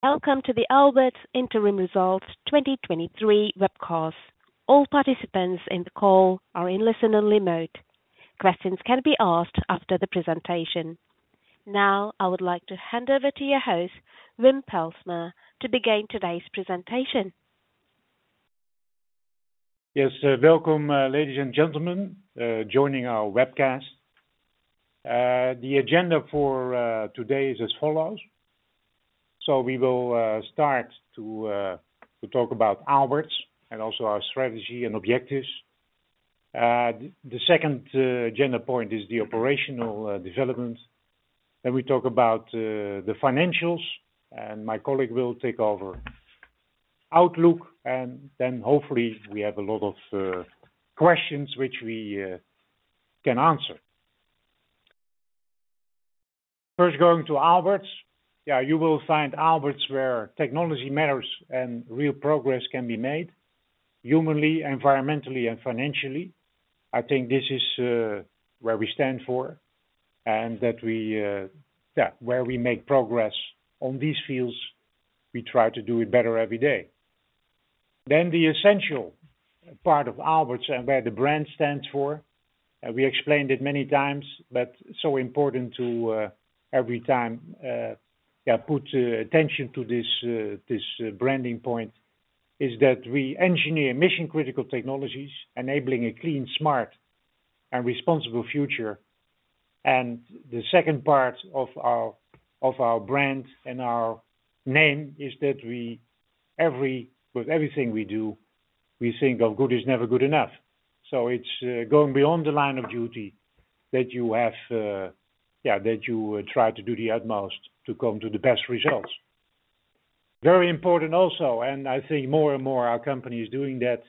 Welcome to the Aalberts Interim Results 2023 webcast. All participants in the call are in listen-only mode. Questions can be asked after the presentation. I would like to hand over to your host, Wim Pelsma, to begin today's presentation. Welcome, ladies and gentlemen, joining our webcast. The agenda for today is as follows. We will start to talk about Aalberts and also our strategy and objectives. The second agenda point is the operational development. We talk about the financials, and my colleague will take over. Outlook, hopefully we have a lot of questions which we can answer. First, going to Aalberts. You will find Aalberts, where technology matters and real progress can be made humanly, environmentally, and financially. I think this is where we stand for, and that we. Where we make progress on these fields, we try to do it better every day. The essential part of Aalberts and where the brand stands for, and we explained it many times, but so important to every time put attention to this this branding point, is that we engineer mission-critical technologies, enabling a clean, smart, and responsible future. The second part of our, of our brand and our name is that we, with everything we do, we think our good is never good enough. It's going beyond the line of duty that you have, that you try to do the utmost to come to the best results. Very important also, and I think more and more our company is doing that,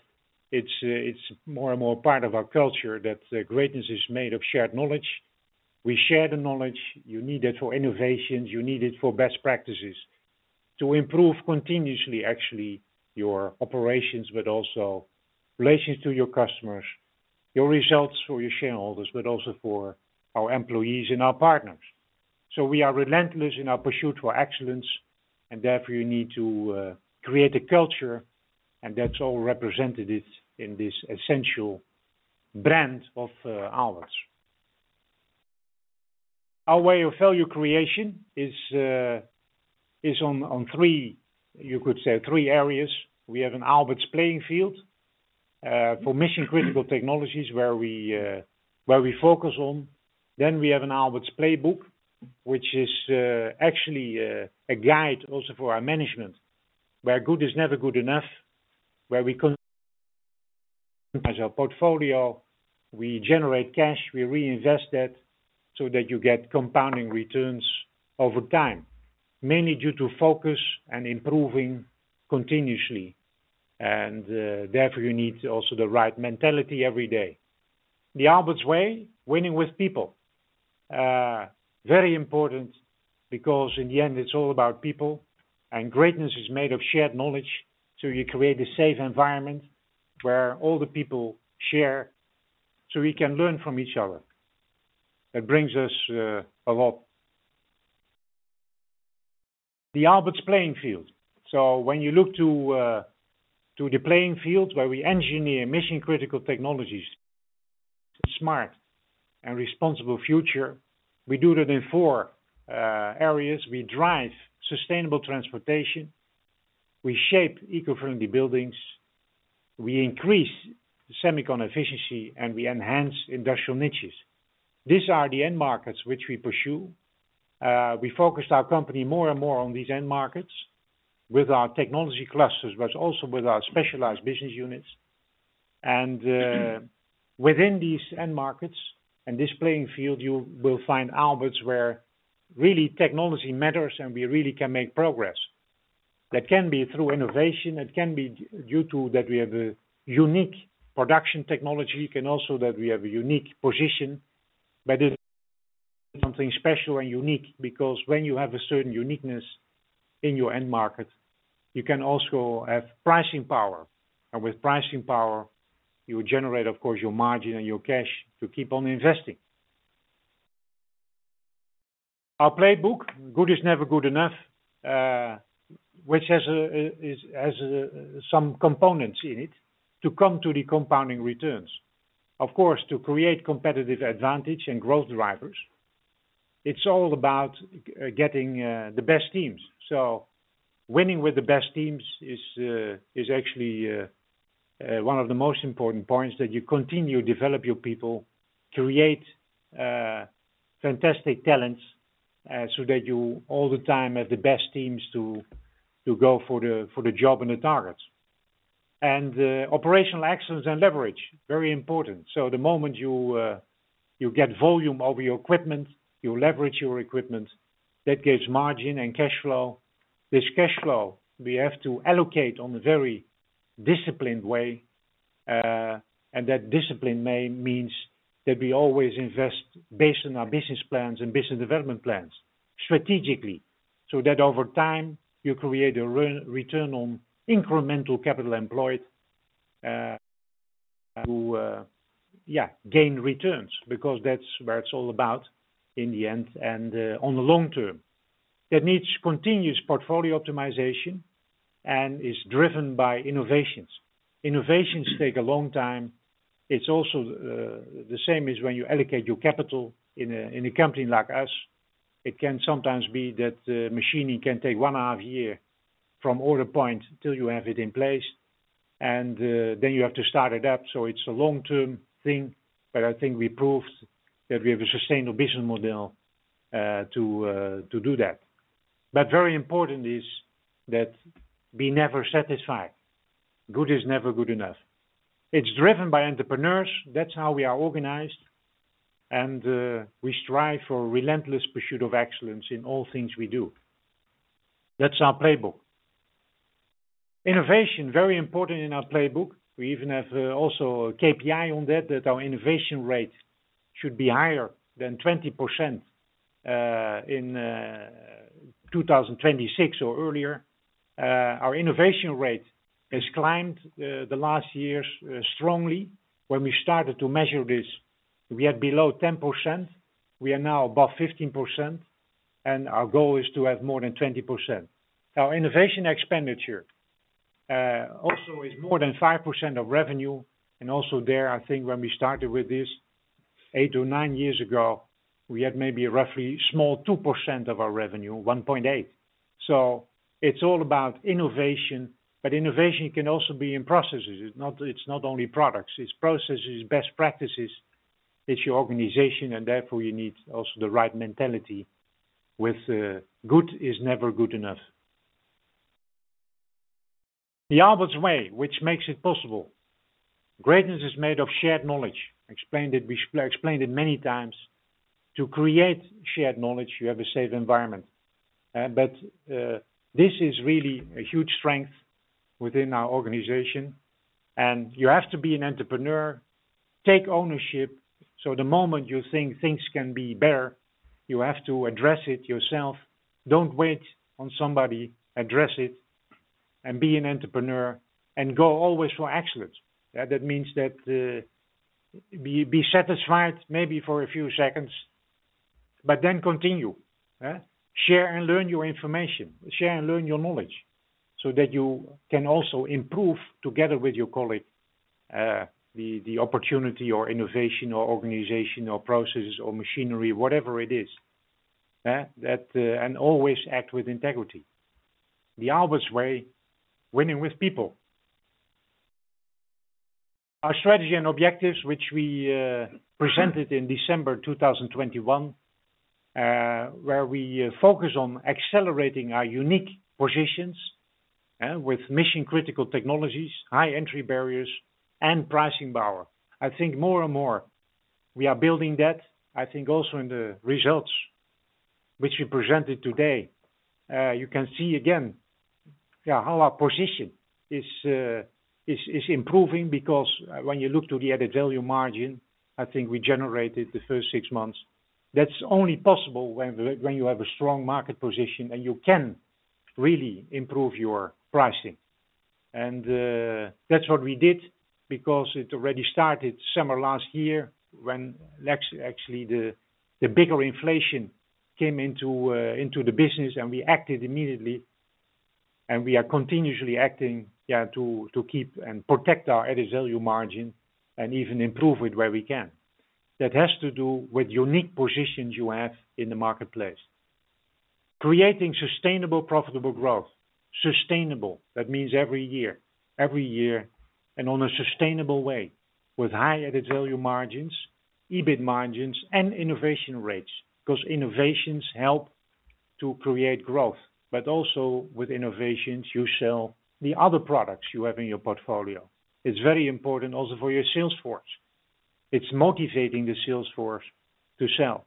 it's more and more part of our culture, that greatness is made of shared knowledge. We share the knowledge you need it for innovations, you need it for best practices to improve continuously, actually, your operations, but also relations to your customers, your results for your shareholders, but also for our employees and our partners. We are relentless in our pursuit for excellence, and therefore you need to create a culture, and that's all represented it in this essential brand of Aalberts. Our way of value creation is on three, you could say, three areas. We have an Aalberts playing field for mission-critical technologies, where we, where we focus on. We have an Aalberts playbook, which is actually a guide also for our management, where good is never good enough, where we as our portfolio, we generate cash, we reinvest that so that you get compounding returns over time, mainly due to focus and improving continuously, and therefore, you need also the right mentality every day. The Aalberts way, winning with people. Very important, because in the end, it's all about people, and greatness is made of shared knowledge. You create a safe environment where all the people share, so we can learn from each other. It brings us a lot. The Aalberts playing field. When you look to the playing field, where we engineer mission-critical technologies, smart and responsible future, we do that in four areas. We drive sustainable transportation, we shape eco-friendly buildings, we increase semicon efficiency, and we enhance industrial niches. These are the end markets which we pursue. We focused our company more and more on these end markets with our technology clusters, but also with our specialized business units. Within these end markets and this playing field, you will find Aalberts, where really technology matters, and we really can make progress. That can be through innovation, it can be due to that we have a unique production technology, it can also that we have a unique position, but something special and unique, because when you have a certain uniqueness in your end market, you can also have pricing power. With pricing power, you generate, of course, your margin and your cash to keep on investing. Our playbook, good is never good enough, which has some components in it to come to the compounding returns. Of course, to create competitive advantage and growth drivers, it's all about getting the best teams. Winning with the best teams is actually one of the most important points, that you continue to develop your people, create fantastic talents, so that you all the time have the best teams to go for the job and the targets. Operational excellence and leverage, very important. The moment you get volume over your equipment, you leverage your equipment, that gives margin and cash flow. This cash flow, we have to allocate on a very disciplined way, and that discipline may means that we always invest based on our business plans and business development plans strategically, so that over time, you create a return on incremental capital employed to gain returns, because that's what it's all about in the end and on the long term. That needs continuous portfolio optimization and is driven by innovations. Innovations take a long time. It's also the same as when you allocate your capital in a company like us, it can sometimes be that machining can take one and a half year from order point until you have it in place, and then you have to start it up. It's a long-term thing, but I think we proved that we have a sustainable business model to do that. Very important is that be never satisfied. Good is never good enough. It's driven by entrepreneurs. That's how we are organized, and we strive for relentless pursuit of excellence in all things we do. That's our playbook. Innovation, very important in our playbook. We even have also a KPI on that our innovation rate should be higher than 20% in 2026 or earlier. Our innovation rate has climbed the last years strongly. When we started to measure this, we had below 10%. We are now above 15%, and our goal is to have more than 20%. Our innovation expenditure also is more than 5% of revenue. Also there, I think when we started with this eight or nine years ago, we had maybe a roughly small 2% of our revenue, 1.8%. It's all about innovation. Innovation can also be in processes. It's not only products, it's processes, best practices. It's your organization. Therefore, you need also the right mentality with good is never good enough. The Aalberts way, which makes it possible. Greatness is made of shared knowledge. We explained it many times. To create shared knowledge, you have a safe environment. This is really a huge strength within our organization. You have to be an entrepreneur, take ownership. The moment you think things can be better, you have to address it yourself. Don't wait on somebody, address it, and be an entrepreneur, and go always for excellence. That means that be satisfied maybe for a few seconds, but then continue? Share and learn your information. Share and learn your knowledge so that you can also improve together with your colleague, the opportunity or innovation or organizational processes or machinery, whatever it is. Always act with integrity. The Aalberts way, winning with people. Our strategy and objectives, which we presented in December 2021, where we focus on accelerating our unique positions with mission-critical technologies, high entry barriers, and pricing power. I think more and more we are building that. I think also in the results which we presented today, you can see again how our position is improving because when you look to the added value margin, I think we generated the first six months. That's only possible when you have a strong market position and you can really improve your pricing. That's what we did, because it already started summer last year, when actually the bigger inflation came into the business, and we acted immediately, and we are continuously acting to keep and protect our added value margin and even improve it where we can. That has to do with unique positions you have in the marketplace. Creating sustainable, profitable growth. Sustainable, that means every year, and on a sustainable way, with high added value margins, EBIT margins, and innovation rates, because innovations help to create growth, but also with innovations, you sell the other products you have in your portfolio. It's very important also for your sales force. It's motivating the sales force to sell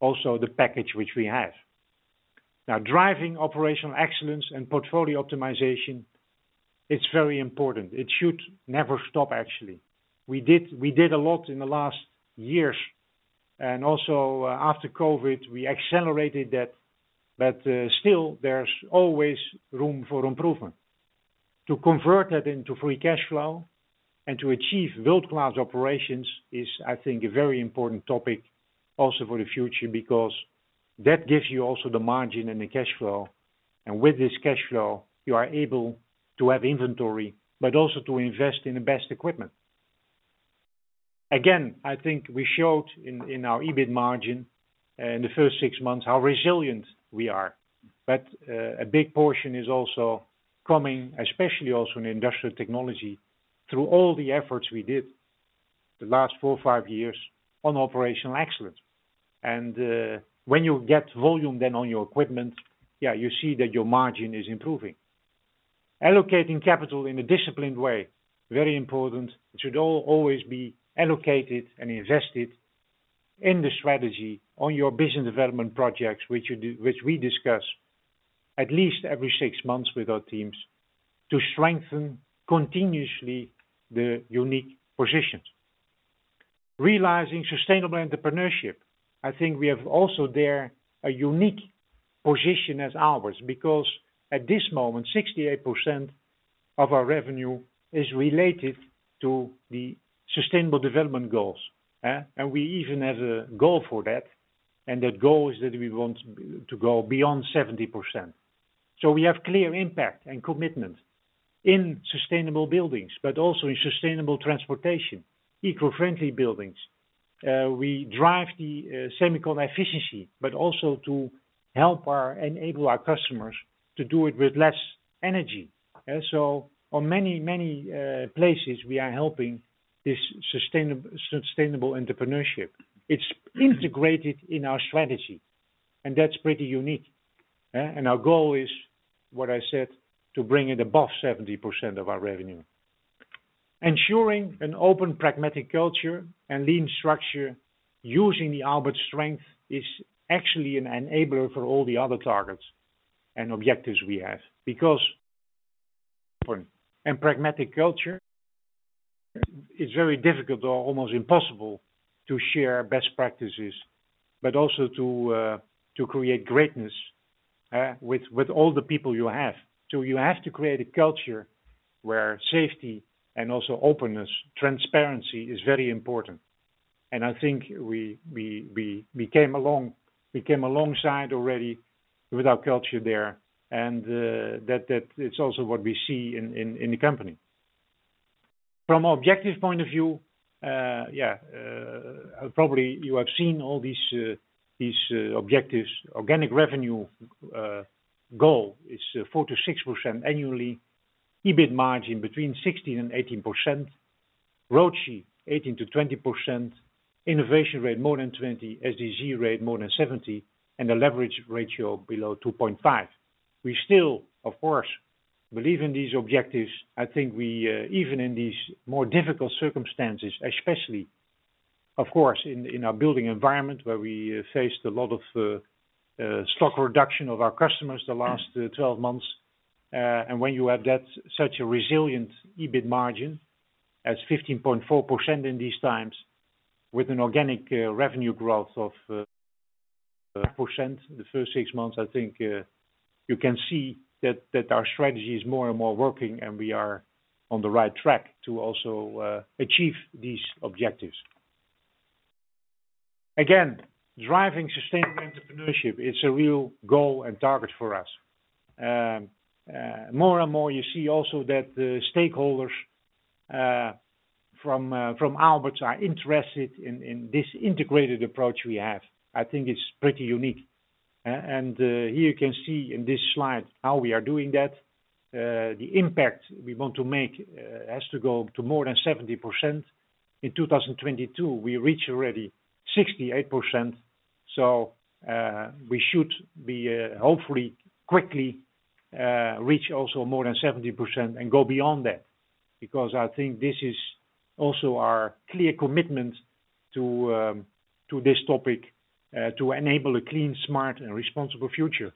also the package which we have. Now, driving operational excellence and portfolio optimization, it's very important. It should never stop, actually. We did a lot in the last years, and also after COVID, we accelerated that, but still, there's always room for improvement. To convert that into free cash flow and to achieve world-class operations is, I think, a very important topic also for the future, because that gives you also the margin and the cash flow, and with this cash flow, you are able to have inventory, but also to invest in the best equipment. Again, I think we showed in our EBIT margin in the first six months, how resilient we are. A big portion is also coming, especially also in industrial technology, through all the efforts we did the last four, five years on operational excellence. When you get volume then on your equipment, yeah, you see that your margin is improving. Allocating capital in a disciplined way, very important. It should always be allocated and invested in the strategy on your business development projects, which we discuss at least every six months with our teams to strengthen continuously the unique positions. Realizing sustainable entrepreneurship, I think we have also there a unique position as Aalberts, because at this moment, 68% of our revenue is related to the Sustainable Development Goals. We even have a goal for that, and that goal is that we want to go beyond 70%. We have clear impact and commitment in sustainable buildings, but also in sustainable transportation, eco-friendly buildings. We drive the semicon efficiency, but also to enable our customers to do it with less energy. On many, many places we are helping this sustainable entrepreneurship. It's integrated in our strategy, and that's pretty unique. Our goal is, what I said, to bring it above 70% of our revenue. Ensuring an open, pragmatic culture and lean structure using the Aalberts strength is actually an enabler for all the other targets and objectives we have, because and pragmatic culture, it's very difficult or almost impossible to share best practices, but also to create greatness with all the people you have. You have to create a culture where safety and also openness, transparency is very important. I think we came along, we came alongside already with our culture there, and that it's also what we see in the company. From objective point of view, yeah, probably you have seen all these objectives. Organic revenue goal is 4%-6% annually, EBIT margin between 16%-18%, ROCE 18%-20%, innovation rate more than 20%, SDG rate more than 70%, and a leverage ratio below 2.5. We still, of course, believe in these objectives. I think we, even in these more difficult circumstances, especially of course, in our building environment, where we faced a lot of stock reduction of our customers the last 12 months. When you have that, such a resilient EBIT margin as 15.4% in these times, with an organic revenue growth of percent, the first six months, I think, you can see that our strategy is more and more working and we are on the right track to also achieve these objectives. Driving sustainable entrepreneurship, it's a real goal and target for us. More and more, you see also that the stakeholders from Aalberts are interested in this integrated approach we have. I think it's pretty unique. Here you can see in this slide how we are doing that. The impact we want to make has to go to more than 70%. In 2022, we reach already 68%, we should be hopefully quickly reach also more than 70% and go beyond that, because I think this is also our clear commitment to this topic to enable a clean, smart and responsible future.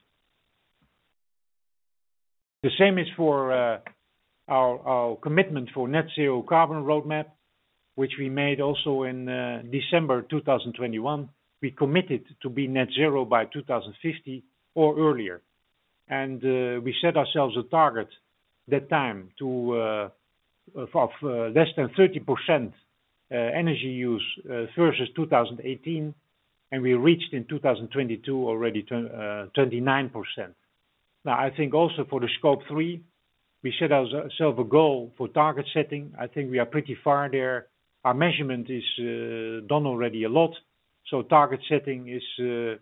The same is for our commitment for net zero carbon roadmap, which we made also in December 2021. We committed to be net zero by 2050 or earlier, and we set ourselves a target that time to of less than 30% energy use versus 2018, and we reached in 2022, already 29%. I think also for the Scope 3, we set ourselves a goal for target setting. I think we are pretty far there. Our measurement is done already a lot, so target setting is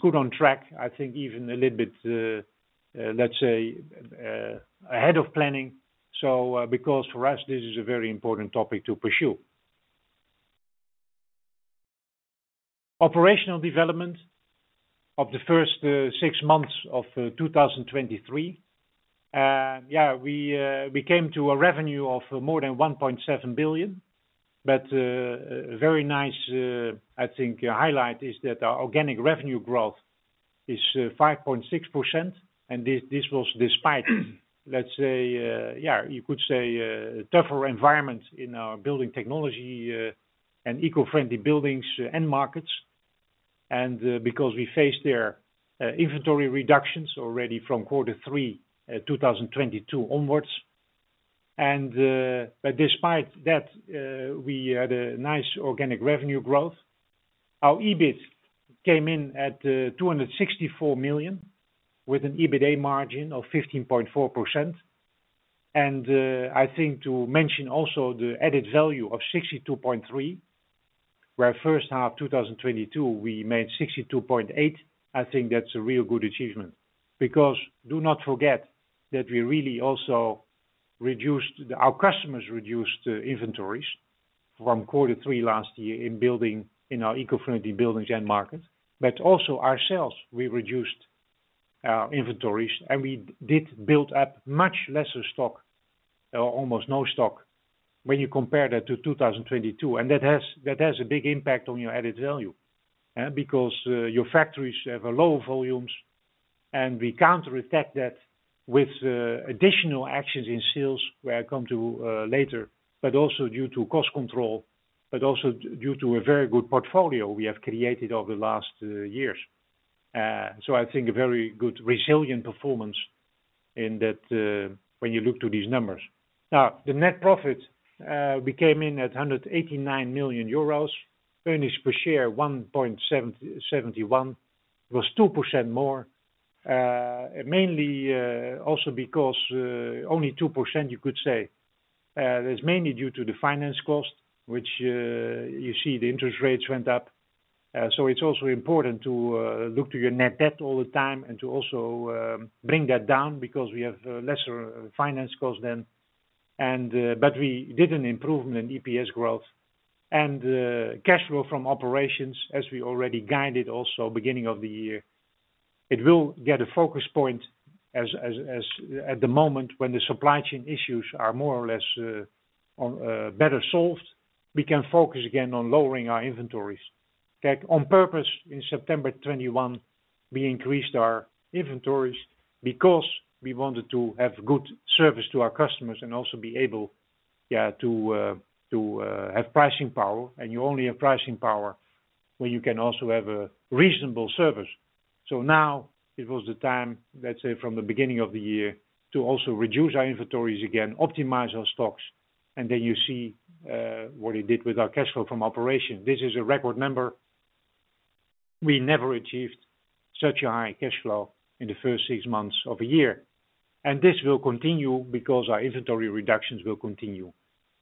good on track, I think even a little bit let's say ahead of planning. Because for us this is a very important topic to pursue. Operational development of the first six months of 2023. Yeah, we came to a revenue of more than 1.7 billion, but a very nice I think highlight is that our organic revenue growth is 5.6%, and this was despite, let's say, yeah, you could say a tougher environment in our building technology and eco-friendly buildings and markets. Because we faced their inventory reductions already from quarter three 2022 onwards. But despite that, we had a nice organic revenue growth. Our EBIT came in at 264 million, with an EBITA margin of 15.4%. I think to mention also the added value of 62.3%, where first half 2022, we made 62.8%. I think that's a real good achievement. Our customers reduced inventories from quarter three last year in building, in our eco-friendly buildings end market, but also ourselves. We reduced inventories, we did build up much lesser stock, or almost no stock, when you compare that to 2022. That has a big impact on your added value, because your factories have a lower volumes. We counter effect that with additional actions in sales, where I come to later, but also due to cost control, but also due to a very good portfolio we have created over the last years. I think a very good resilient performance in that when you look to these numbers. Now, the net profit, we came in at 189 million euros. Earnings per share, 1.71, was 2% more. Mainly also because only 2% you could say is mainly due to the finance cost, which you see the interest rates went up. It's also important to look to your net debt all the time and to also bring that down because we have lesser finance costs then. But we did an improvement in EPS growth and cash flow from operations, as we already guided, also beginning of the year. It will get a focus point as at the moment when the supply chain issues are more or less on better solved, we can focus again on lowering our inventories. On purpose, in September 2021, we increased our inventories because we wanted to have good service to our customers and also be able, yeah, to have pricing power. You only have pricing power when you can also have a reasonable service. Now it was the time, let's say, from the beginning of the year, to also reduce our inventories, again, optimize our stocks, and then you see what it did with our cash flow from operation. This is a record number. We never achieved such a high cash flow in the first six months of a year, and this will continue because our inventory reductions will continue.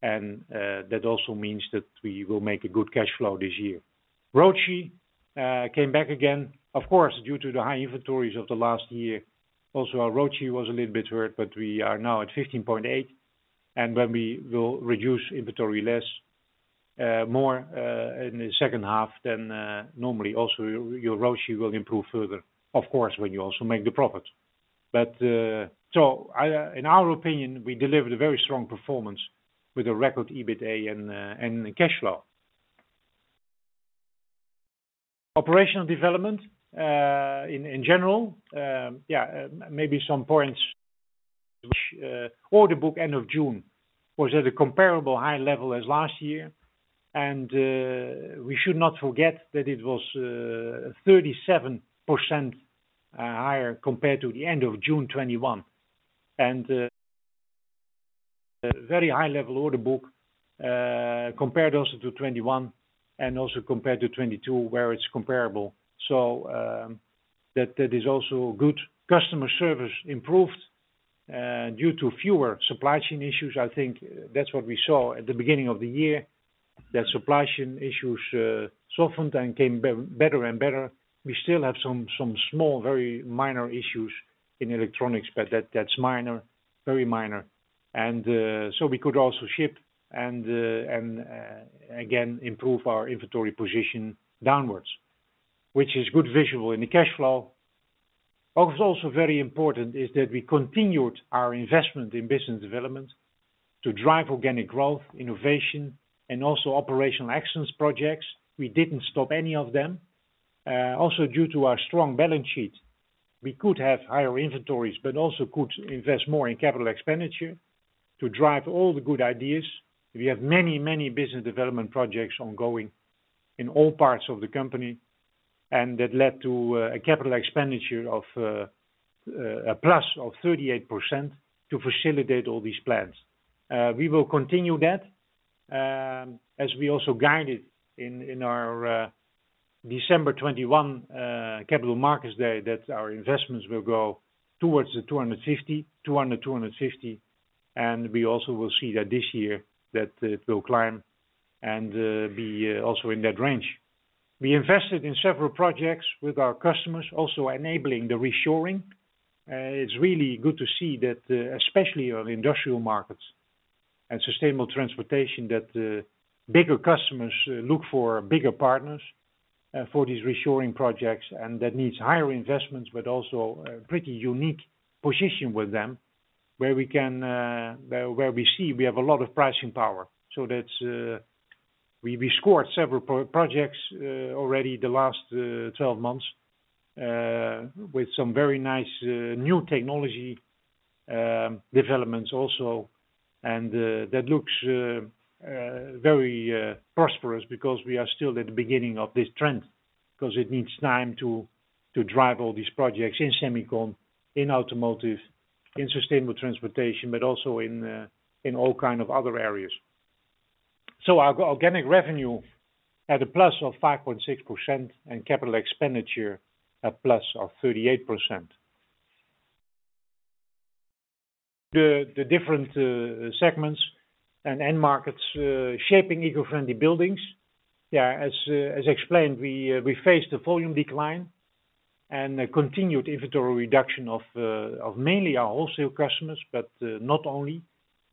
That also means that we will make a good cash flow this year. ROCE came back again, of course, due to the high inventories of the last year. Our ROCE was a little bit hurt, but we are now at 15.8%, and when we will reduce inventory less, more in the second half than normally, your ROCE will improve further, of course, when you also make the profit. In our opinion, we delivered a very strong performance with a record EBITDA and cash flow. Operational development in general, maybe some points which order book end of June was at a comparable high level as last year. We should not forget that it was 37% higher compared to the end of June 2021. Very high level order book compared also to 2021 and also compared to 2022, where it's comparable. That is also good. Customer service improved due to fewer supply chain issues. I think that's what we saw at the beginning of the year, that supply chain issues softened and came better and better. We still have some small, very minor issues in electronics, but that's minor, very minor. We could also ship and again, improve our inventory position downwards, which is good visual in the cash flow. What was also very important is that we continued our investment in business development to drive organic growth, innovation, and also operational excellence projects. We didn't stop any of them. Also, due to our strong balance sheet, we could have higher inventories, but also could invest more in capital expenditure to drive all the good ideas. We have many, many business development projects ongoing in all parts of the company. That led to a CapEx of a plus of 38% to facilitate all these plans. We will continue that, as we also guided in our December 2021 Capital Markets Day, that our investments will go towards 250, 200, 250. We also will see that this year, that it will climb and be also in that range. We invested in several projects with our customers, also enabling the reshoring. It's really good to see that especially on industrial markets and sustainable transportation, that the bigger customers look for bigger partners for these reshoring projects. That needs higher investments, but also a pretty unique position with them, where we see we have a lot of pricing power. That's, we scored several projects already the last 12 months with some very nice new technology developments also. That looks very prosperous because we are still at the beginning of this trend, because it needs time to drive all these projects in semicon, in automotive, in sustainable transportation, but also in all kind of other areas. Our organic revenue at a +5.6% and capital expenditure, a +38%. The different segments and end markets shaping eco-friendly buildings. Yeah, as explained, we faced a volume decline and a continued inventory reduction of mainly our wholesale customers, but not only,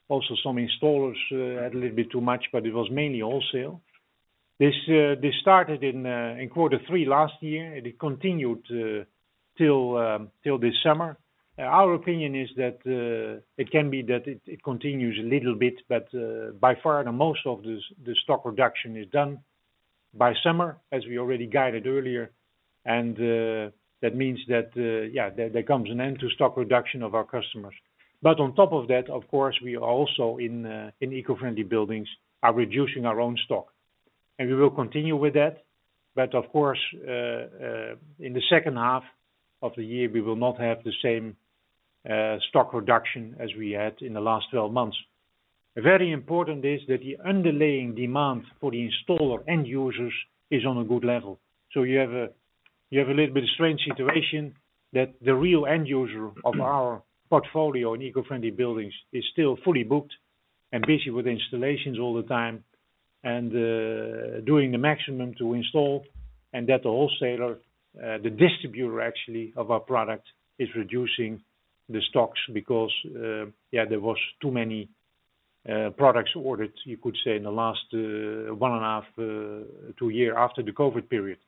also some installers had a little bit too much, but it was mainly wholesale. This started in quarter three last year, it continued till this summer. Our opinion is that it can be that it continues a little bit, but by far, the most of this, the stock reduction is done. By summer, as we already guided earlier, that means that there comes an end to stock reduction of our customers. On top of that, of course, we are also in eco-friendly buildings, are reducing our own stock, and we will continue with that. Of course, in the second half of the year, we will not have the same stock reduction as we had in the last 12 months. Very important is that the underlying demand for the installer end users is on a good level. You have a little bit of strange situation that the real end user of our portfolio in eco-friendly buildings is still fully booked and busy with installations all the time, and doing the maximum to install, and that the wholesaler, the distributor actually of our product, is reducing the stocks because, yeah, there was too many products ordered, you could say, in the last one and a half, two year after the COVID period.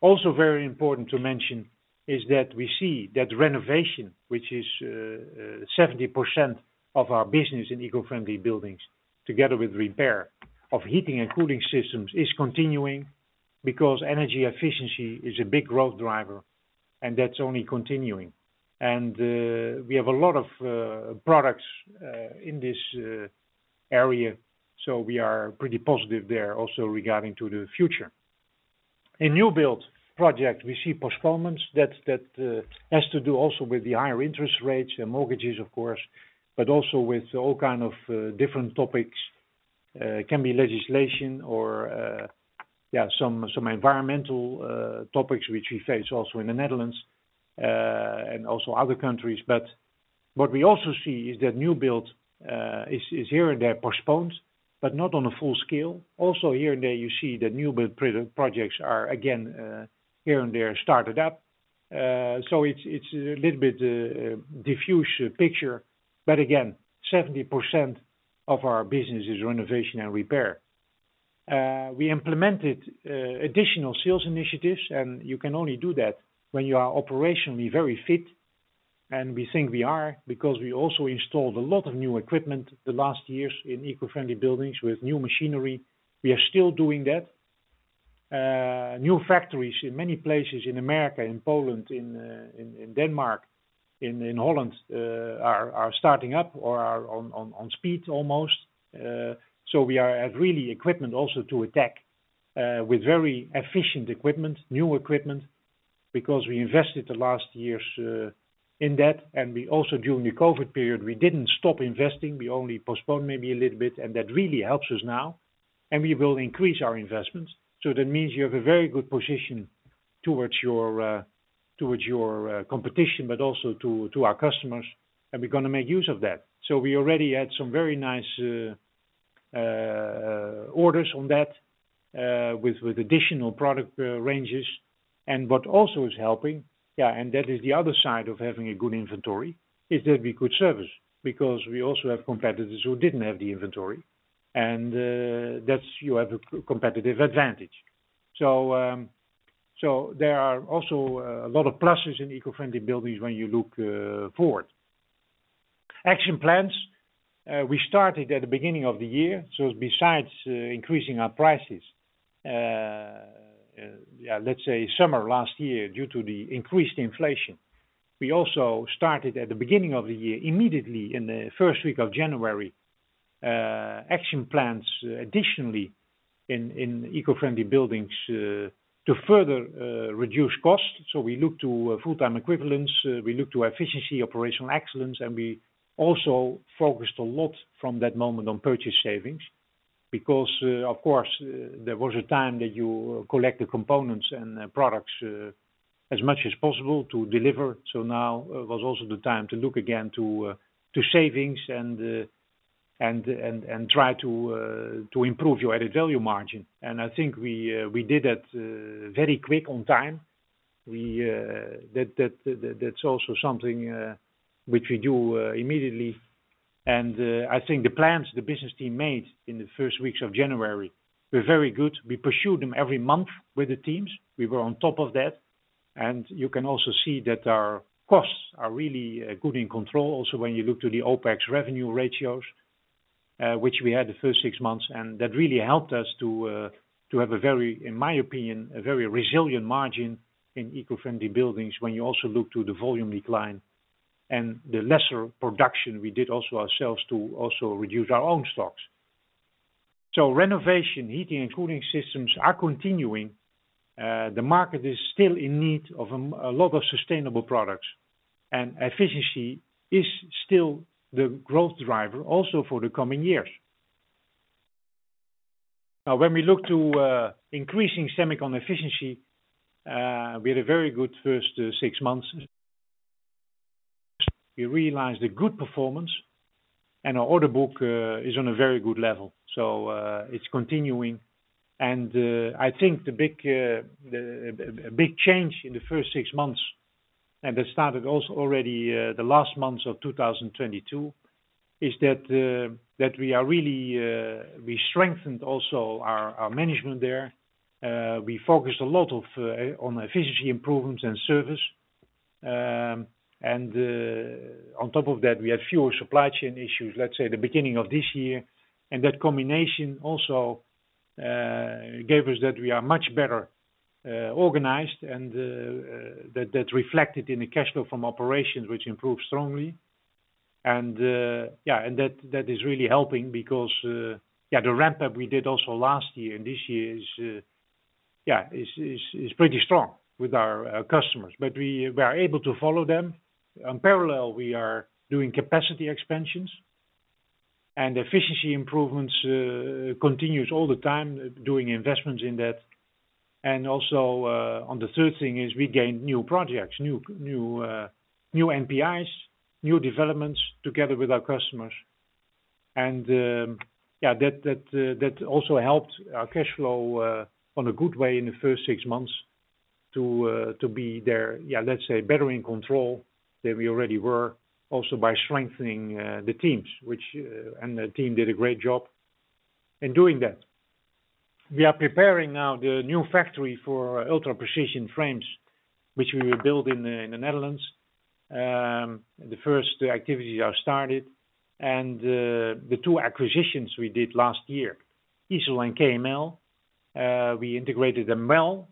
Also very important to mention is that we see that renovation, which is 70% of our business in eco-friendly buildings, together with repair of heating and cooling systems, is continuing because energy efficiency is a big growth driver, and that's only continuing. We have a lot of products in this area, so we are pretty positive there also regarding to the future. In new build project, we see postponements that has to do also with the higher interest rates and mortgages, of course, but also with all kind of different topics. It can be legislation or, yeah, some environmental topics which we face also in the Netherlands and also other countries. What we also see is that new build is here and there postponed, but not on a full scale. Here and there, you see the new build projects are again, here and there, started up. It's a little bit diffused picture, but again, 70% of our business is renovation and repair. We implemented additional sales initiatives, and you can only do that when you are operationally very fit. We think we are, because we also installed a lot of new equipment the last years in Eco-friendly Buildings with new machinery. We are still doing that. New factories in many places in America, in Poland, in Denmark, in Holland, are starting up or are on speed almost. We are at really equipment also to attack with very efficient equipment, new equipment, because we invested the last years in that, and we also during the COVID period, we didn't stop investing, we only postponed maybe a little bit, and that really helps us now, and we will increase our investments. That means you have a very good position towards your competition, but also to our customers, and we're gonna make use of that. We already had some very nice orders on that with additional product ranges. What also is helping, yeah, and that is the other side of having a good inventory, is that we good service, because we also have competitors who didn't have the inventory, and that's you have a competitive advantage. There are also a lot of pluses in eco-friendly buildings when you look forward. Action plans, we started at the beginning of the year, so besides increasing our prices, yeah, let's say summer last year, due to the increased inflation, we also started at the beginning of the year, immediately in the first week of January, action plans additionally in eco-friendly buildings, to further reduce costs. We look to full-time equivalents, we look to efficiency, operational excellence, and we also focused a lot from that moment on purchase savings. Because, of course, there was a time that you collect the components and products as much as possible to deliver. Now was also the time to look again to savings and try to improve your added value margin. I think we did that very quick on time. That's also something which we do immediately. I think the plans the business team made in the first weeks of January were very good. We pursued them every month with the teams. We were on top of that, and you can also see that our costs are really good in control. When you look to the OpEx revenue ratios, which we had the first six months, that really helped us to have a very, in my opinion, a very resilient margin in eco-friendly buildings when you also look to the volume decline and the lesser production we did also ourselves to also reduce our own stocks. Renovation, heating, and cooling systems are continuing. The market is still in need of a lot of sustainable products, efficiency is still the growth driver also for the coming years. When we look to increasing semicon efficiency, we had a very good first six months. We realized a good performance, our order book is on a very good level, it's continuing. I think a big change in the first six months, and that started also already the last months of 2022, is that we are really we strengthened also our management there. We focused a lot of on efficiency improvements and service. On top of that, we had fewer supply chain issues, let's say, the beginning of this year, and that combination also gave us that we are much better organized and that reflected in the cash flow from operations, which improved strongly. That is really helping because the ramp-up we did also last year and this year is pretty strong with our customers, but we are able to follow them. In parallel, we are doing capacity expansions and efficiency improvements, continues all the time, doing investments in that. Also, on the third thing is we gained new projects, new NPIs, new developments together with our customers. Yeah, that also helped our cash flow on a good way in the first six months to be there, yeah, let's say, better in control than we already were, also by strengthening the teams, and the team did a great job in doing that. We are preparing now the new factory for ultra-precision frames, which we will build in the Netherlands. The first activities are started, the two acquisitions we did last year, ISEL and KML, we integrated them well.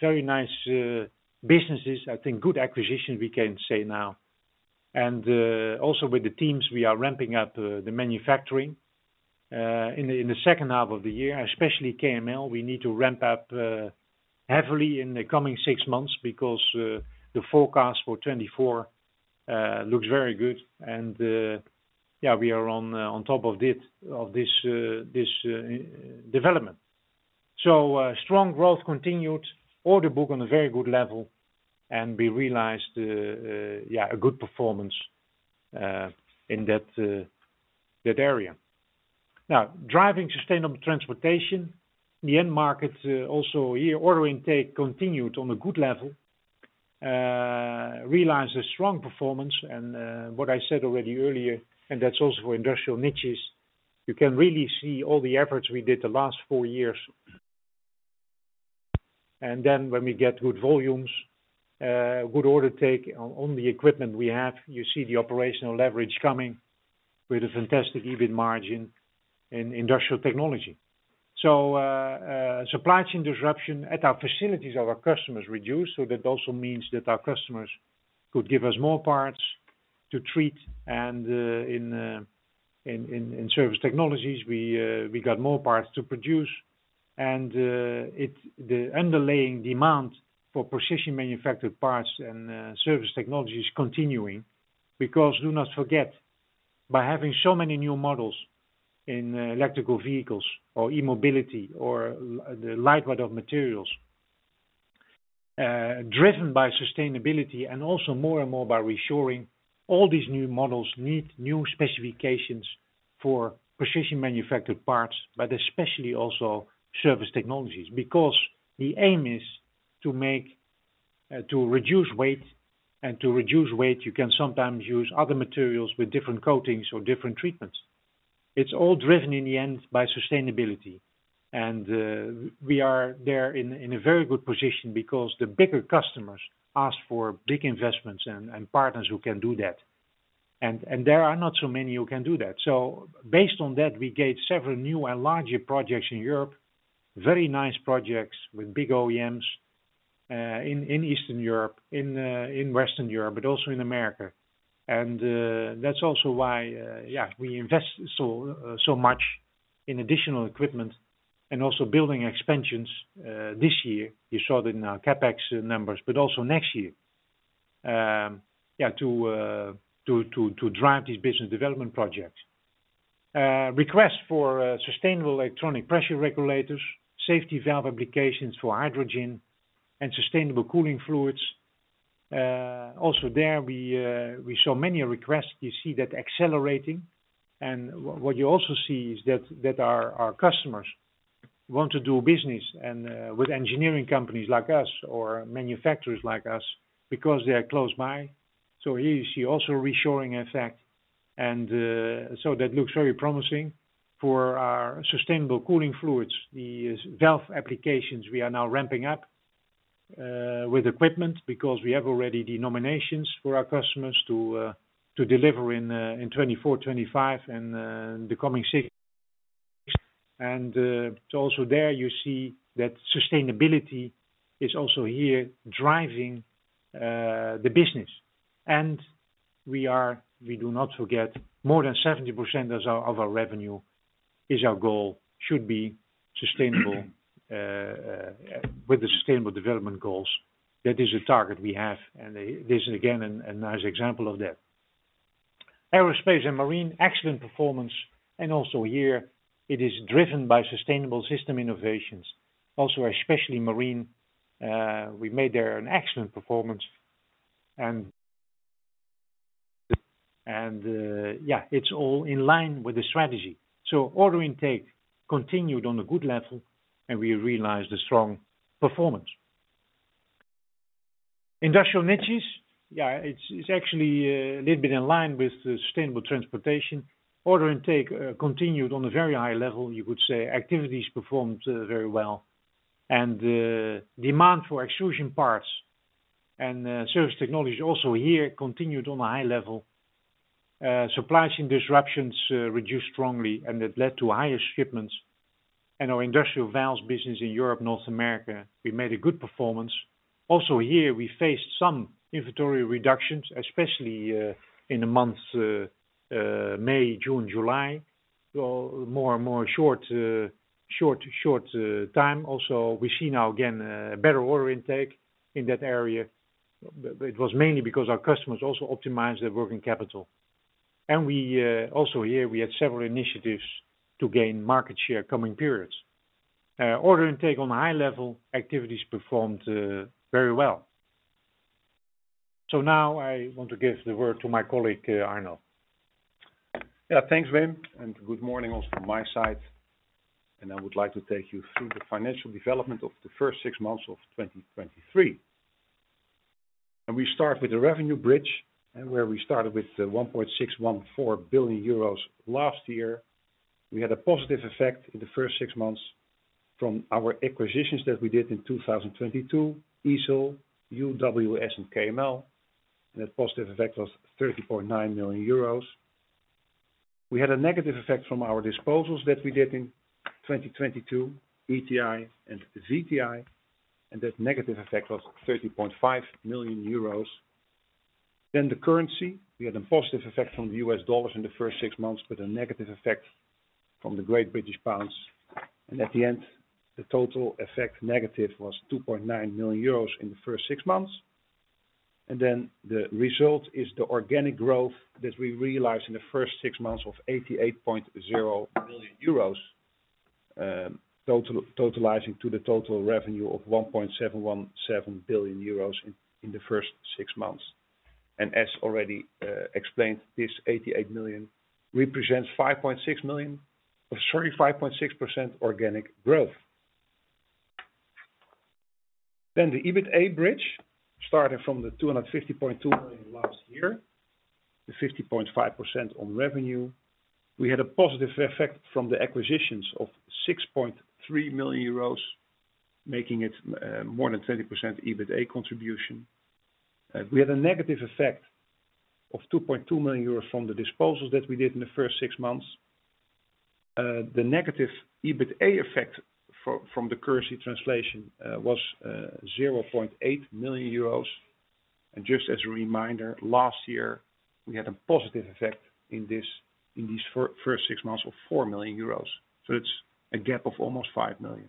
Very nice businesses. I think good acquisition we can say now. Also with the teams, we are ramping up the manufacturing. In the second half of the year, especially KML, we need to ramp up heavily in the coming six months because the forecast for 2024 looks very good. Yeah, we are on top of this development. Strong growth continued, order book on a very good level, and we realized, yeah, a good performance in that area. Now, driving sustainable transportation, the end markets, also here, order intake continued on a good level, realized a strong performance and what I said already earlier, and that's also for industrial niches, you can really see all the efforts we did the last four years. When we get good volumes, good order take on the equipment we have, you see the operational leverage coming with a fantastic EBIT margin in industrial technology. Supply chain disruption at our facilities, our customers reduced, so that also means that our customers could give us more parts to treat and, in surface technologies, we got more parts to produce. It's the underlying demand for precision manufactured parts and, surface technologies is continuing, because do not forget, by having so many new models in electrical vehicles or e-mobility or the lightweight of materials, driven by sustainability and also more and more by reshoring, all these new models need new specifications for precision manufactured parts, but especially also surface technologies. Because the aim is to make to reduce weight, and to reduce weight, you can sometimes use other materials with different coatings or different treatments. It's all driven in the end by sustainability. We are there in a very good position because the bigger customers ask for big investments and partners who can do that. There are not so many who can do that. Based on that, we gave several new and larger projects in Europe, very nice projects with big OEMs, in Eastern Europe, in Western Europe, but also in America. That's also why, yeah, we invest so much in additional equipment and also building expansions this year. You saw that in our CapEx numbers, but also next year. Yeah, to drive these business development projects. Requests for sustainable electronic pressure regulators, safety valve applications for hydrogen and sustainable cooling fluids. Also there, we saw many requests. You see that accelerating, what you also see is that our customers want to do business with engineering companies like us or manufacturers like us because they are close by. Here you see also reshoring effect, that looks very promising for our sustainable cooling fluids. The valve applications, we are now ramping up with equipment because we have already the nominations for our customers to deliver in 2024, 2025, and in the coming years. Also there, you see that sustainability is also here driving the business. We do not forget, more than 70% of our revenue is our goal, should be sustainable with the Sustainable Development Goals. That is a target we have, and this is again, a nice example of that. Aerospace and marine, excellent performance. Also here, it is driven by sustainable system innovations. Also, especially marine, we made there an excellent performance. Yeah, it's all in line with the strategy. Order intake continued on a good level, and we realized a strong performance. Industrial niches. Yeah, it's actually a little bit in line with the sustainable transportation. Order intake continued on a very high level. You could say activities performed very well, and the demand for extrusion parts and surface technologies also here continued on a high level. Supply chain disruptions reduced strongly, and it led to higher shipments. Our industrial valves business in Europe, North America, we made a good performance. Here we faced some inventory reductions, especially in the months May, June, July. More and more short time. We see now again a better order intake in that area. It was mainly because our customers also optimized their working capital. We also here, we had several initiatives to gain market share coming periods. Order intake on high level, activities performed very well. Now I want to give the word to my colleague, Arno. Yeah, thanks, Wim. Good morning also on my side. I would like to take you through the financial development of the first six months of 2023. We start with the revenue bridge, where we started with 1.614 billion euros last year. We had a positive effect in the first six months from our acquisitions that we did in 2022, ISEL, UWS and KML. That positive effect was 30.9 million euros. We had a negative effect from our disposals that we did in 2022, ETI and VTI. That negative effect was 13.5 million euros. The currency, we had a positive effect from the US dollars in the first six months, but a negative effect from the Great British pounds. At the end, the total effect negative was 2.9 million euros in the first six months. The result is the organic growth that we realized in the first six months of 88.0 million euros, totalizing to the total revenue of 1.717 billion euros in the first six months. As already explained, this 88 million represents 5.6 million, or 35.6% organic growth. The EBITA bridge, starting from the 250.2 million last year, the 50.5% on revenue. We had a positive effect from the acquisitions of 6.3 million euros, making it more than 20% EBITA contribution. We had a negative effect of 2.2 million euros from the disposals that we did in the first six months. The negative EBITA effect from the currency translation was 0.8 million euros. Just as a reminder, last year, we had a positive effect in these first six months of 4 million euros. It's a gap of almost 5 million.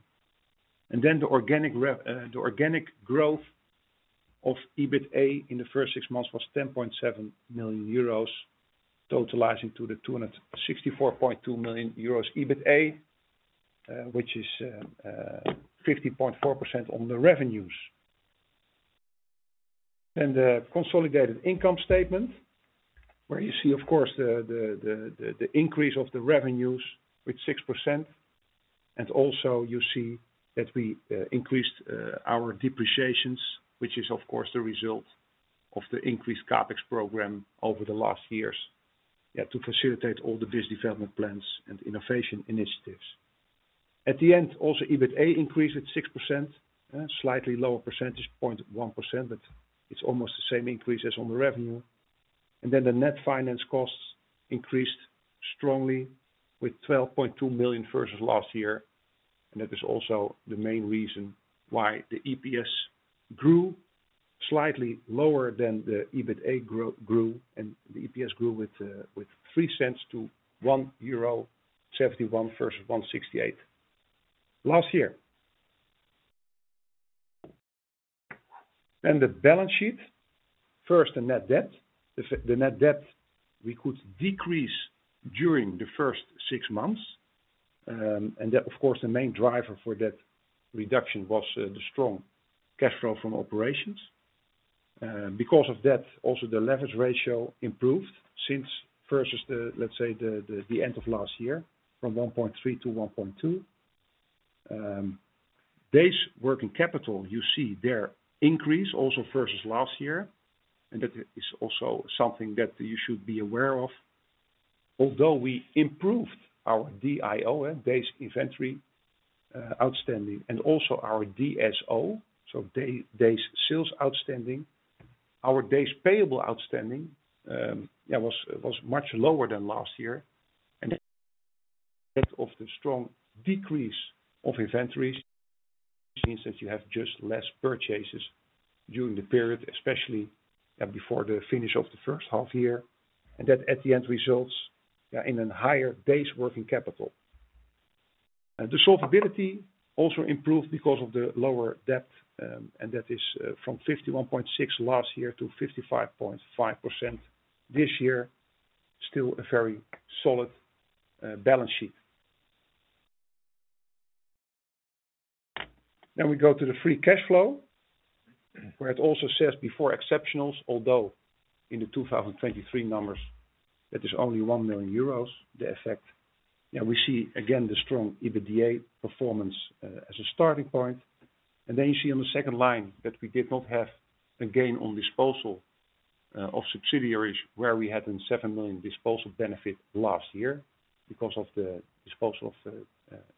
The organic growth of EBITA in the first six months was 10.7 million euros, totalizing to the 264.2 million euros EBITA, which is 50.4% on the revenues. The consolidated income statement, where you see, of course, the increase of the revenues with 6%. Also you see that we increased our depreciations, which is, of course, the result of the increased CapEx program over the last years to facilitate all the business development plans and innovation initiatives. At the end, also, EBITA increased at 6%, slightly lower percentage point, 1%, but it's almost the same increase as on the revenue. Then the net finance costs increased strongly with 12.2 million versus last year, and that is also the main reason why the EPS grew slightly lower than the EBITA grew, and the EPS grew with 0.03 to 1.71 euro versus 1.68 last year. The balance sheet, first, the net debt. The net debt, we could decrease during the first six months, and that, of course, the main driver for that reduction was the strong cash flow from operations. Because of that, also the leverage ratio improved versus the, let's say, the end of last year, from 1.3 to 1.2. Days Working Capital, you see there increase also versus last year, and that is also something that you should be aware of. Although we improved our DIO and Days Inventory Outstanding, and also our DSO, so Days Sales Outstanding, our Days Payable Outstanding was much lower than last year. Of the strong decrease of inventories, since you have just less purchases during the period, especially, before the finish of the first half year, and that at the end, results, in a higher Days Working Capital. The solvability also improved because of the lower debt, and that is from 51.6% last year to 55.5% this year. Still a very solid balance sheet. We go to the free cash flow, where it also says before exceptionals, although in the 2023 numbers? That is only 1 million euros, the effect. We see again, the strong EBITDA performance, as a starting point. You see on the second line that we did not have a gain on disposal of subsidiaries, where we had in 7 million disposal benefit last year because of the disposal of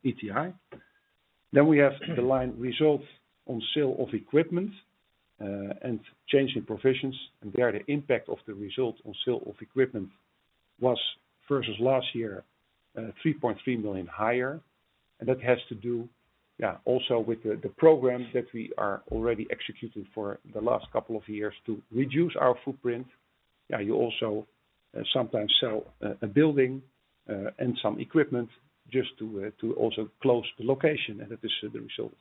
ETI. We have the line result on sale of equipment and change in provisions, and there, the impact of the result on sale of equipment was versus last year, 3.3 million higher. That has to do, yeah, also with the program that we are already executing for the last couple of years to reduce our footprint. Yeah, you also sometimes sell a building and some equipment just to also close the location, and that is the result of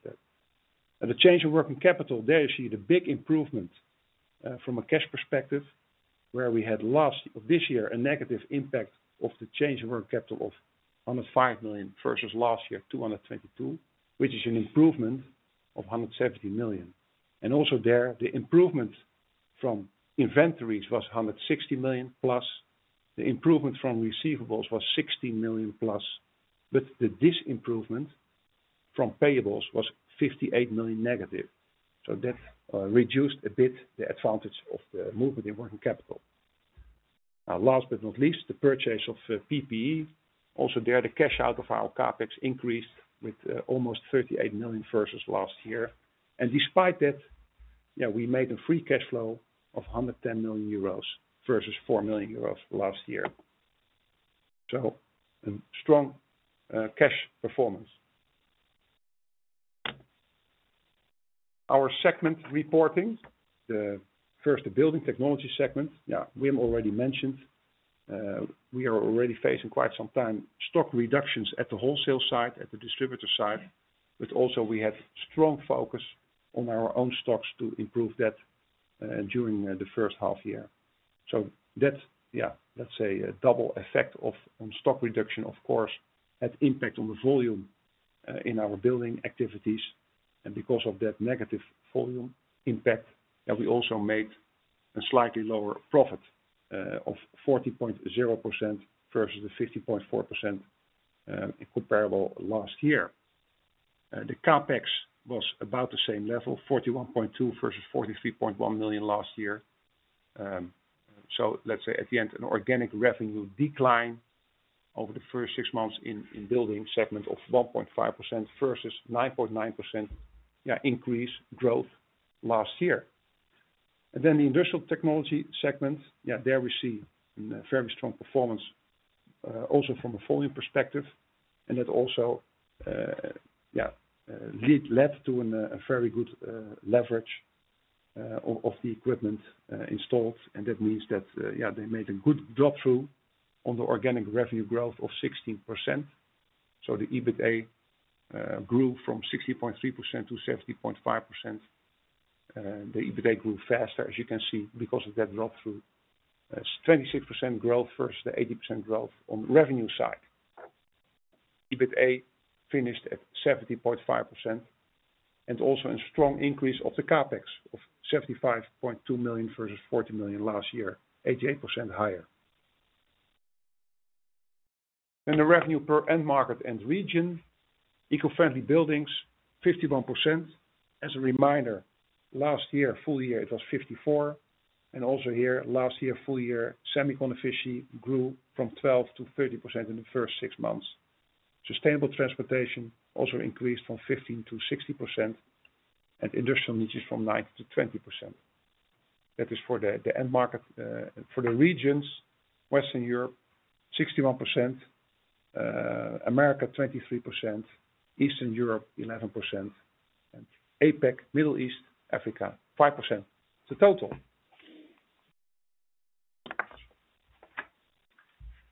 that. The change of working capital, there you see the big improvement from a cash perspective, where we had last of this year, a negative impact of the change in working capital of 105 million versus last year, 222 million, which is an improvement of 170 million. Also there, the improvement from inventories was 160 million, plus the improvement from receivables was 60 million plus. The disimprovement from payables was 58 million negative, so that reduced a bit the advantage of the movement in working capital. Now, last but not least, the purchase of PPE. Also, there, the cash out of our CapEx increased with almost 38 million versus last year. Despite that, yeah, we made a free cash flow of 110 million euros versus 4 million euros last year. A strong cash performance. Our segment reporting, the first, the building technology segment. Yeah, we have already mentioned, we are already facing quite some time stock reductions at the wholesale side, at the distributor side, but also we have strong focus on our own stocks to improve that during the first half year. That's, yeah, let's say, a double effect of, on stock reduction, of course, had impact on the volume in our building activities. Because of that negative volume impact, that we also made a slightly lower profit of 40.0% versus the 50.4%, comparable last year. The CapEx was about the same level, 41.2 million versus 43.1 million last year. Let's say at the end, an organic revenue decline over the first six months in building segment of 1.5% versus 9.9% increase growth last year. The industrial technology segment, there we see a very strong performance also from a volume perspective, and that also led to a very good leverage of the equipment installed. That means that they made a good drop-through on the organic revenue growth of 16%. The EBITDA grew from 60.3% to 70.5%. The EBITDA grew faster, as you can see, because of that drop-through. 26% growth versus the 80% growth on the revenue side. EBITDA finished at 70.5%. A strong increase of the CapEx of 75.2 million versus 40 million last year, 88% higher. The revenue per end market and region, eco-friendly buildings, 51%. As a reminder, last year, full year, it was 54%, and also here last year, full year, semicon grew from 12% to 30% in the first six months. Sustainable transportation also increased from 15% to 60%, and industrial niches from 9% to 20%. That is for the end market. For the regions, Western Europe, 61%, America, 23%, Eastern Europe, 11%, and APAC, Middle East, Africa, 5%. It's a total.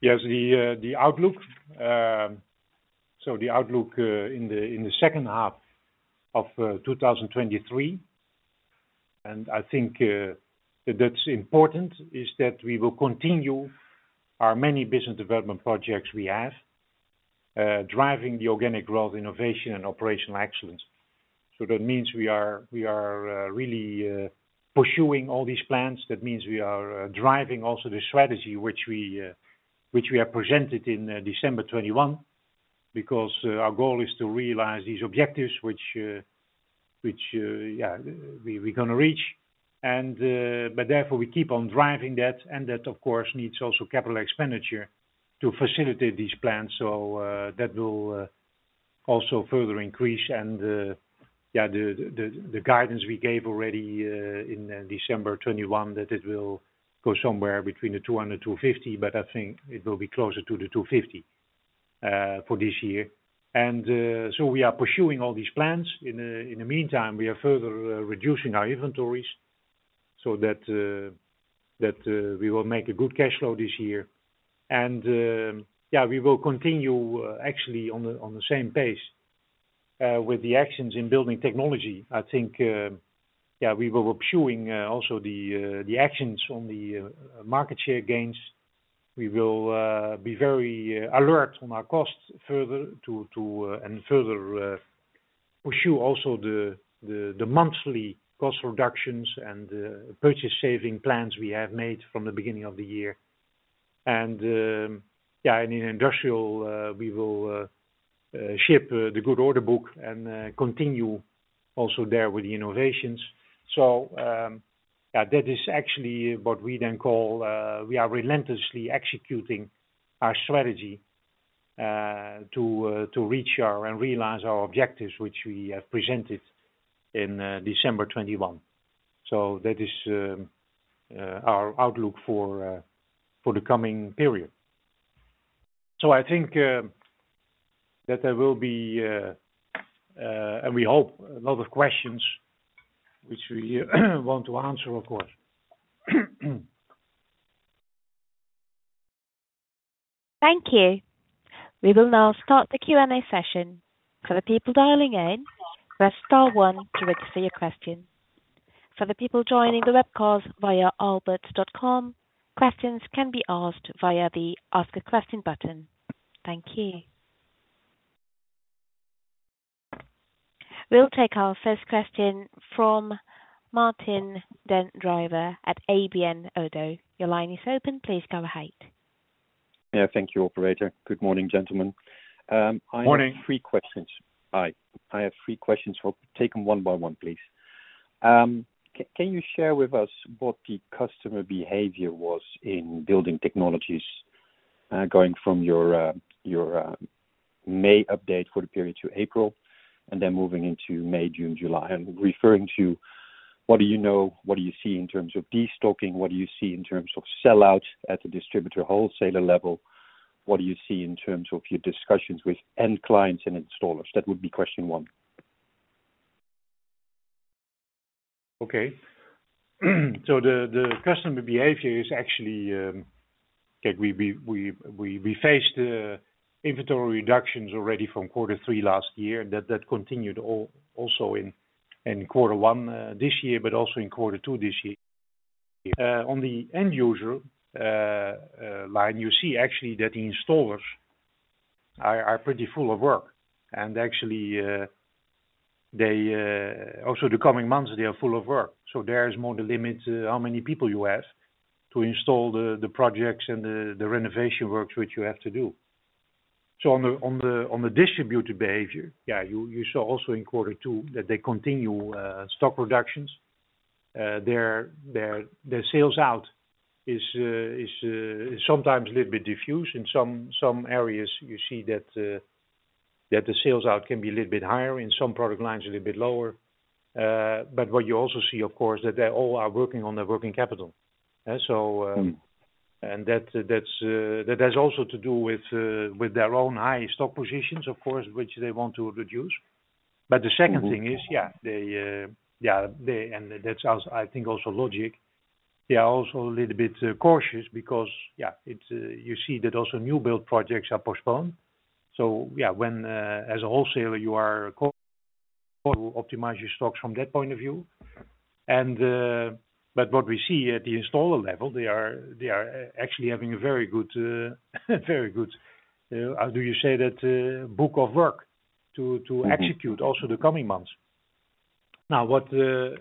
Yes, the outlook. The outlook in the second half of 2023, and I think that's important, is that we will continue our many business development projects we have, driving the organic growth, innovation and operational excellence. That means we are really pursuing all these plans. That means we are driving also the strategy which we have presented in December 2021, because our goal is to realize these objectives, which we are going to reach. Therefore, we keep on driving that, and that, of course, needs also CapEx to facilitate these plans. That will also further increase. Yeah, the guidance we gave already in December 2021, that it will go somewhere between 200-250, but I think it will be closer to 250 for this year. We are pursuing all these plans. In the meantime, we are further reducing our inventories so that we will make a good cash flow this year. Yeah, we will continue actually on the same pace with the actions in building technology. I think, yeah, we will be pursuing also the actions on the market share gains. We will be very alert on our costs further.... pursue also the monthly cost reductions and purchase saving plans we have made from the beginning of the year. In industrial, we will ship the good order book and continue also there with the innovations. That is actually what we then call, we are relentlessly executing our strategy to reach our and realize our objectives, which we have presented in December 2021. That is our outlook for the coming period. I think that there will be and we hope a lot of questions, which we want to answer, of course. Thank you. We will now start the Q&A session. For the people dialing in, press star one to register your question. For the people joining the webcast via aalberts.com, questions can be asked via the Ask a Question button. Thank you. We'll take our first question from Martijn den Drijver at ABN ODDO. Your line is open. Please go ahead. Yeah, thank you, operator. Good morning, gentlemen. Morning. Hi, I have three questions. We'll take them one by one, please. Can you share with us what the customer behavior was in building technologies going from your your May update for the period to April, and then moving into May, June, July? I'm referring to what do you know, what do you see in terms of destocking, what do you see in terms of sell out at the distributor wholesaler level? What do you see in terms of your discussions with end clients and installers? That would be question one. Okay. The customer behavior is actually that we faced inventory reductions already from quarter three last year, and that continued also in quarter one this year, but also in quarter two this year. On the end user line, you see actually that the installers are pretty full of work. Actually, they also the coming months they are full of work, so there is more the limit to how many people you have to install the projects and the renovation works which you have to do. On the distributor behavior, yeah, you saw also in quarter two that they continue stock reductions. Their sales out is sometimes a little bit diffuse. In some areas you see that the sales out can be a little bit higher, in some product lines, a little bit lower. What you also see, of course, that they all are working on their working capital. So, Mm. That's, that has also to do with their own high stock positions, of course, which they want to reduce. The second thing is, yeah, they, yeah, they. That's also, I think, also logic. They are also a little bit cautious because, yeah, it's, you see that also new build projects are postponed. Yeah, when, as a wholesaler, you are called to optimize your stocks from that point of view. What we see at the installer level, they are actually having a very good, very good, how do you say that, book of work to execute. Mm-hmm... also the coming months. What the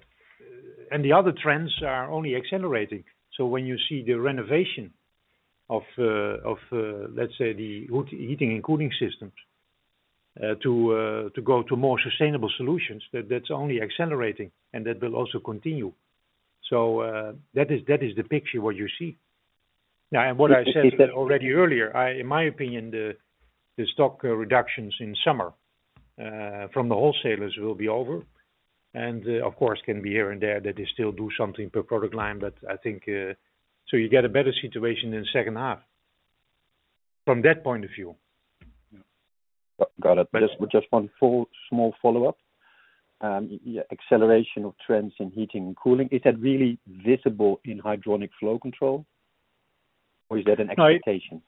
other trends are only accelerating. When you see the renovation of let's say, the heating and cooling systems to go to more sustainable solutions, that's only accelerating, and that will also continue. That is the picture, what you see. What I said already earlier, in my opinion, the stock reductions in summer from the wholesalers will be over, and of course, can be here and there, that they still do something per product line, but I think you get a better situation in the second half, from that point of view. Got it. Just one full small follow-up. Acceleration of trends in heating and cooling, is that really visible in hydronic flow control, or is that an expectation?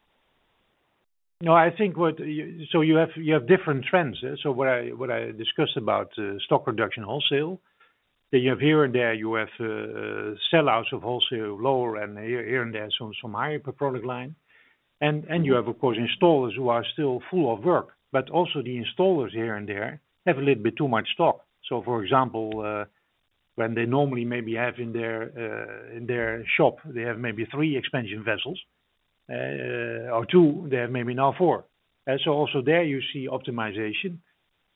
No, I think you have different trends. What I discussed about stock reduction, wholesale, that you have here and there, you have sellouts of wholesale, lower, and here and there, some higher per product line. You have, of course, installers who are still full of work, but also the installers here and there have a little bit too much stock. For example, when they normally maybe have in their shop, they have maybe three expansion vessels, or two, they have maybe now four. Also there you see optimization,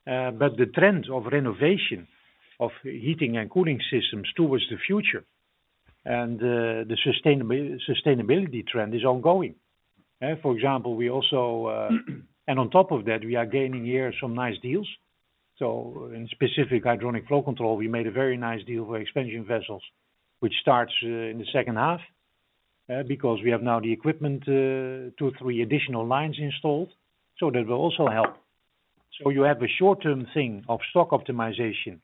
but the trend of renovation of heating and cooling systems towards the future and the sustainability trend is ongoing. For example, we also, on top of that, we are gaining here some nice deals. In specific, hydronic flow control, we made a very nice deal for expansion vessels, which starts in the second half, because we have now the equipment, two, three additional lines installed. That will also help. You have a short-term thing of stock optimization,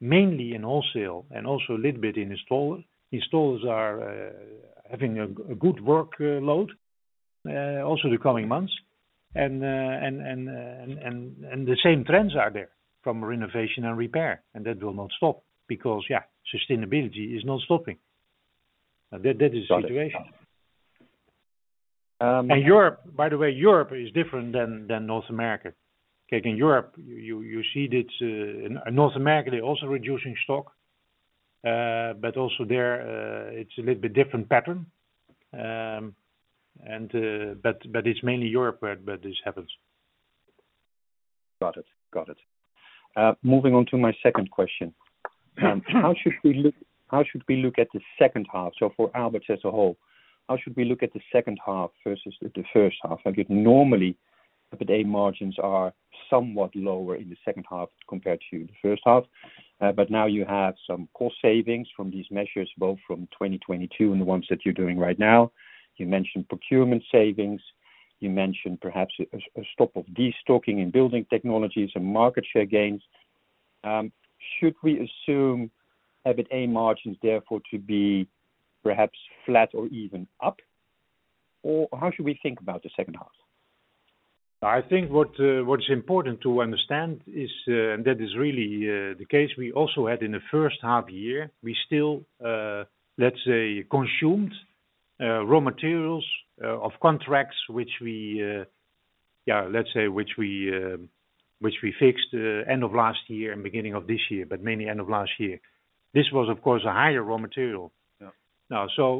mainly in wholesale and also a little bit in installers. Installers are having a good workload, also the coming months. The same trends are there from renovation and repair, and that will not stop because, yeah, sustainability is not stopping. That is the situation. Europe, by the way, Europe is different than North America. In Europe, you see this, in North America they're also reducing stock, but also there, it's a little bit different pattern. It's mainly Europe, where this happens. Got it. Got it. Moving on to my second question. How should we look at the second half? For Aalberts as a whole, how should we look at the second half versus the first half? Like, normally, the day margins are somewhat lower in the second half compared to the first half. Now you have some cost savings from these measures, both from 2022 and the ones that you're doing right now. You mentioned procurement savings, you mentioned perhaps a stop of destocking and building technology and market share gains. Should we assume EBITA margins, therefore, to be perhaps flat or even up? How should we think about the second half? I think what is important to understand is, that is really the case we also had in the first half year. We still, let's say, consumed raw materials of contracts which we fixed end of last year and beginning of this year, but mainly end of last year. This was, of course, a higher raw material. Yeah.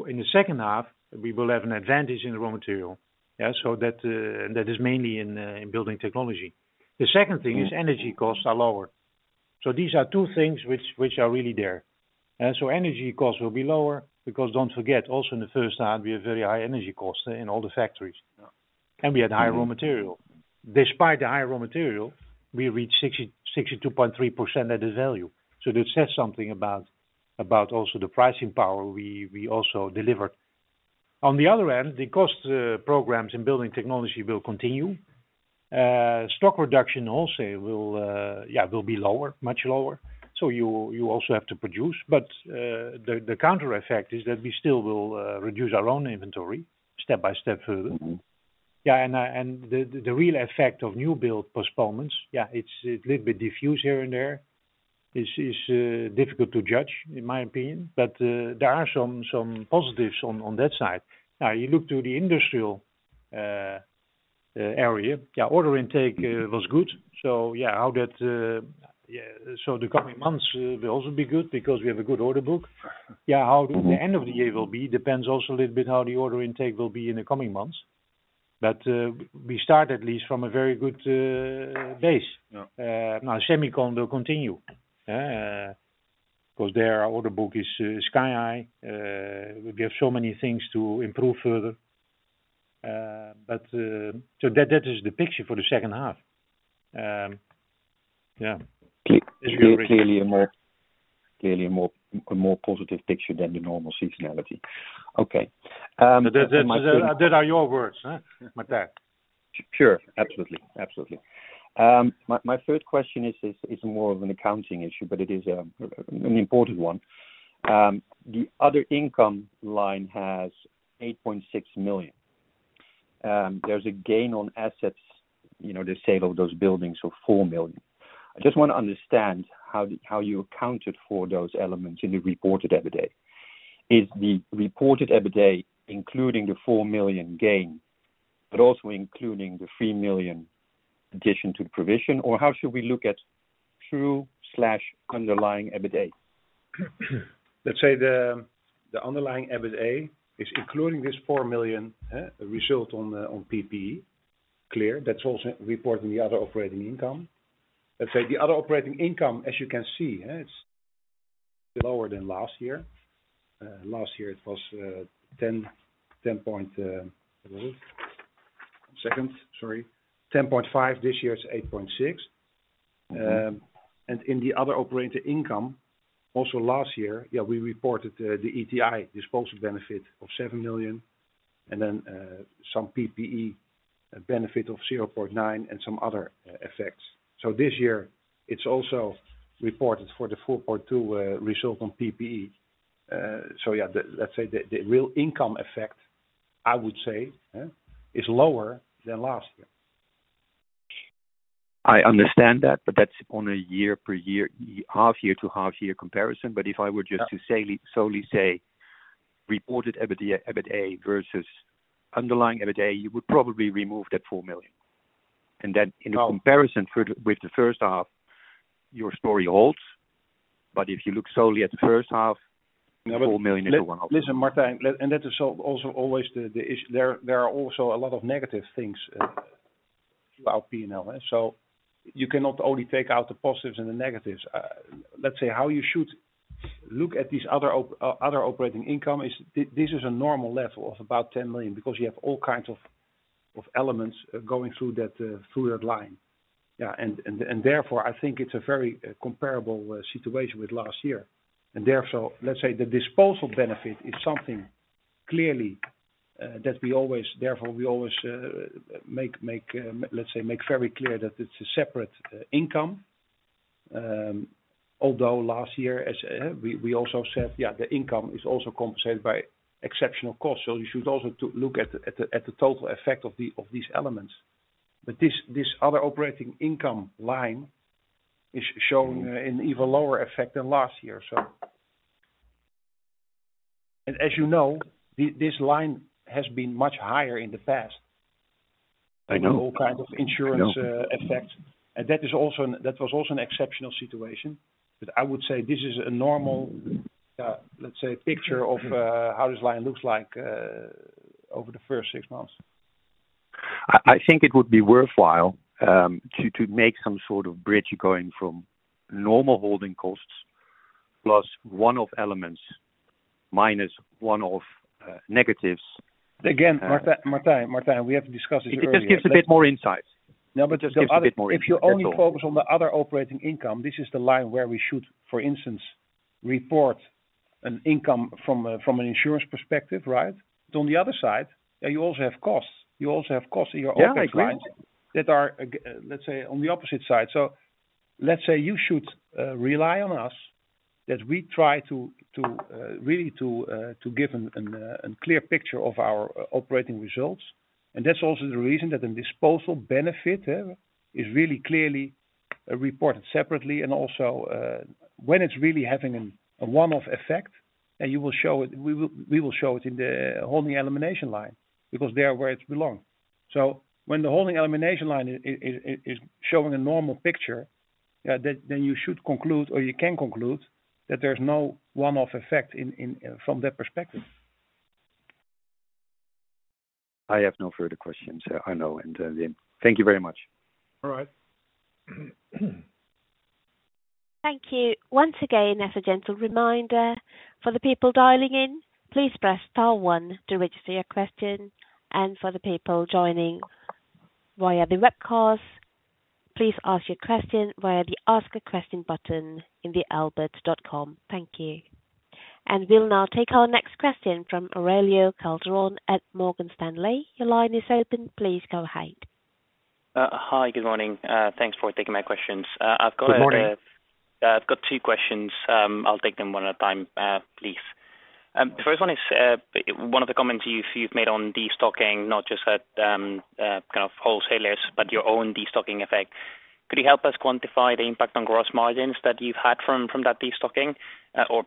In the second half, we will have an advantage in the raw material. That is mainly in building technology. The second thing is energy costs are lower. These are two things which are really there. Energy costs will be lower, because don't forget, also in the first half, we have very high energy costs in all the factories. Yeah. We had high raw material. Despite the high raw material, we reached 62.3% at the value. That says something about, also the pricing power we also delivered. On the other end, the cost programs in building technology will continue. Stock reduction also will, yeah, will be lower, much lower. You, you also have to produce, but, the counter effect is that we still will, reduce our own inventory step by step further. Mm-hmm. The real effect of new build postponements, it's a little bit diffuse here and there. It's difficult to judge, in my opinion, but there are some positives on that side. Now, you look to the industrial area, order intake was good. The coming months will also be good because we have a good order book. How the end of the year will be, depends also a little bit how the order intake will be in the coming months. We start at least from a very good base. Yeah. Semicon will continue, because their order book is sky-high. We have so many things to improve further. That, that is the picture for the second half. Yeah. Clearly a more positive picture than the normal seasonality. Okay. That are your words, huh? Martijn. Sure. Absolutely. Absolutely. My third question is more of an accounting issue, but it is an important one. The other income line has 8.6 million. There's a gain on assets, you know, the sale of those buildings, so 4 million. I just want to understand how you accounted for those elements in the reported EBITDA. Is the reported EBITDA, including the 4 million gain, but also including the 3 million addition to the provision, or how should we look at true/underlying EBITA? Let's say the underlying EBITA is including this 4 million result on the PPE. Clear, that's also reported in the other operating income. Let's say the other operating income, as you can see, it's lower than last year. Last year it was 10.5, this year it's 8.6. Mm-hmm. In the other operating income, also last year, we reported the ETI disposal benefit of 7 million, and then some PPE, a benefit of 0.9, and some other effects. This year, it's also reported for the 4.2 result on PPE. The, let's say, the real income effect, I would say, is lower than last year. I understand that, but that's on a year-over-year, half-year-to-half-year comparison. If I were solely say, reported EBITDA, EBITA versus underlying EBITA, you would probably remove that 4 million. Then in comparison with the first half, your story holds, but if you look solely at the first half, the 4 million is one of them. Listen, Martijn, that is also always the issue. There are also a lot of negative things about P&L. You cannot only take out the positives and the negatives. Let's say, how you should look at these other operating income is, this is a normal level of about 10 million, because you have all kinds of elements going through that through that line. Yeah, and therefore, I think it's a very comparable situation with last year. Therefore, let's say the disposal benefit is something clearly that we always, therefore, we always make, let's say, make very clear that it's a separate income. Although last year, as we also said, yeah, the income is also compensated by exceptional costs, so you should also look at the total effect of these elements. This other operating income line is showing an even lower effect than last year. As you know, this line has been much higher in the past. I know. All kinds of insurance, effects. That was also an exceptional situation. I would say this is a normal, let's say, picture of, how this line looks like, over the first six months. I think it would be worthwhile to make some sort of bridge going from normal holding costs, plus one-off elements, minus one-off negatives. Martijn, we have discussed this earlier. It just gives a bit more insight. Yeah. Just a bit more. If you only focus on the other operating income, this is the line where we should, for instance, report an income from a, from an insurance perspective, right? On the other side, you also have costs. You also have costs in your operating side. Yeah, I agree. That are, let's say, on the opposite side. Let's say, you should rely on us, that we try to really to give a clear picture of our operating results. That's also the reason that the disposal benefit is really clearly reported separately, and also, when it's really having a one-off effect, then we will show it in the holding elimination line, because they are where it belongs. When the holding elimination line is showing a normal picture, then you should conclude, or you can conclude, that there's no one-off effect from that perspective. I have no further questions. I know, thank you very much. All right. Thank you. Once again, as a gentle reminder, for the people dialing in, please press star one to register your question. For the people joining via the webcast, please ask your question via the Ask a Question button in aalberts.com. Thank you. We'll now take our next question from Aurelio Calderon at Morgan Stanley. Your line is open, please go ahead. Hi, good morning. Thanks for taking my questions. Good morning. I've got two questions. I'll take them one at a time, please. The first one is one of the comments you've made on destocking, not just at kind of wholesalers, but your own destocking effect. Could you help us quantify the impact on gross margins that you've had from that destocking?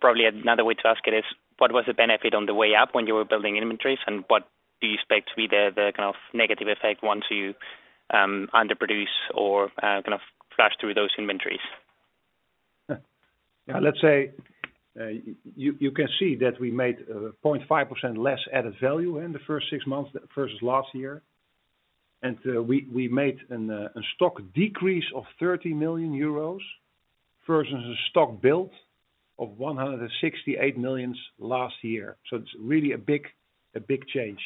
Probably another way to ask it is, what was the benefit on the way up when you were building inventories, and what do you expect to be the kind of negative effect once you underproduce or kind of flash through those inventories? Let's say, you can see that we made 0.5% less added value in the first six months versus last year. We made a stock decrease of 30 million euros versus a stock build of 168 million last year. It's really a big change.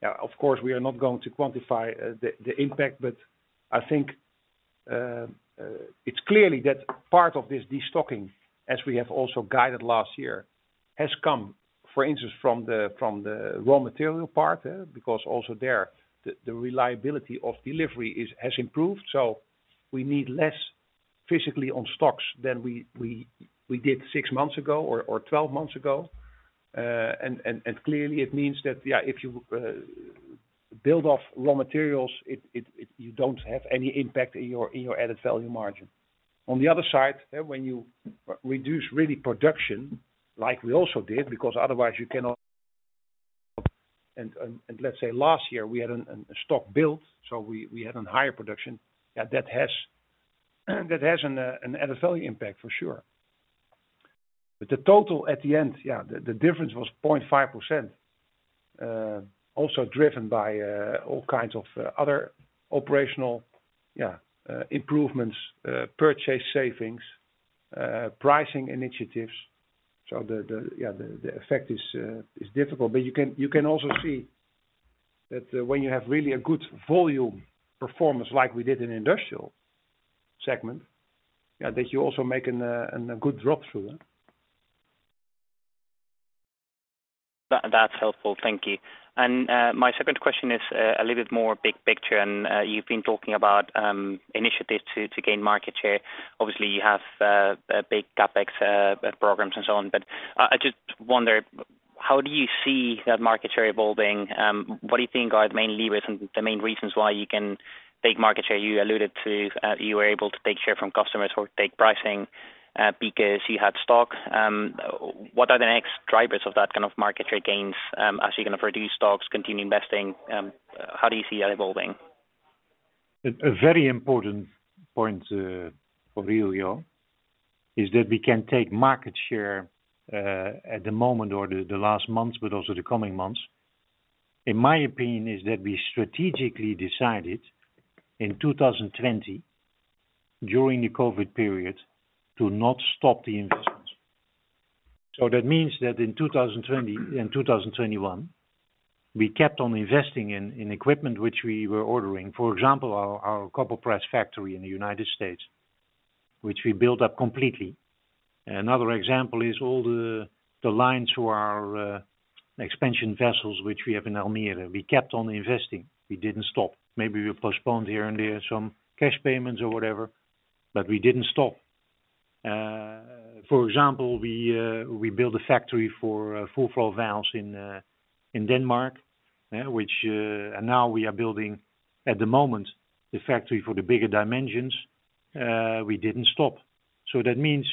Now, of course, we are not going to quantify the impact, but I think, it's clearly that part of this destocking, as we have also guided last year, has come, for instance, from the raw material part, because also there, the reliability of delivery has improved. We need less physically on stocks than we did six months ago or 12 months ago. Clearly it means that, if you build off raw materials, it, you don't have any impact in your, in your added value margin. On the other side, when you reduce really production, like we also did, because otherwise you cannot. Let's say last year we had an, a stock build, so we had a higher production, that has an added value impact for sure. The total at the end, the difference was 0.5%, also driven by all kinds of other operational improvements, purchase savings, pricing initiatives. The effect is difficult, but you can also see that when you have really a good volume performance like we did in industrial segment that you also make a good drop through there. That's helpful. Thank you. My second question is a little bit more big picture, and you've been talking about initiatives to gain market share. Obviously, you have a big CapEx programs and so on. I just wonder, how do you see that market share evolving? What do you think are the main levers and the main reasons why you can take market share? You alluded to, you were able to take share from customers or take pricing, because you had stocks. What are the next drivers of that kind of market share gains, as you're going to reduce stocks, continue investing, how do you see that evolving? A very important point for you, Aurelio, is that we can take market share at the moment or the last months, but also the coming months. In my opinion, is that we strategically decided in 2020, during the COVID period, to not stop the investments. That means that in 2021, we kept on investing in equipment, which we were ordering. For example, our copper press factory in the United States, which we built up completely. Another example is all the lines to our expansion vessels, which we have in Almere. We kept on investing. We didn't stop. Maybe we postponed here and there some cash payments or whatever, but we didn't stop. For example, we built a factory for full flow valves in Denmark, which and now we are building at the moment, the factory for the bigger dimensions.... we didn't stop. That means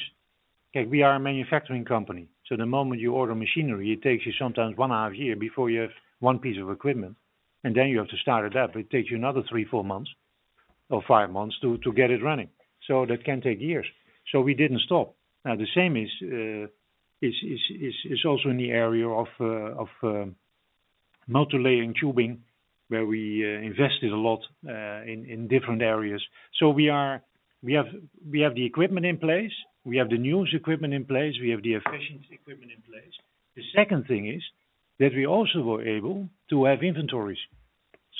that we are a manufacturing company, the moment you order machinery, it takes you sometimes one and a half year before you have one piece of equipment, and then you have to start it up. It takes you another three, four months or five months to get it running. That can take years. We didn't stop. Now, the same is also in the area of multilayer and tubing, where we invested a lot in different areas. We have the equipment in place, we have the newest equipment in place, we have the efficient equipment in place. The second thing is that we also were able to have inventories.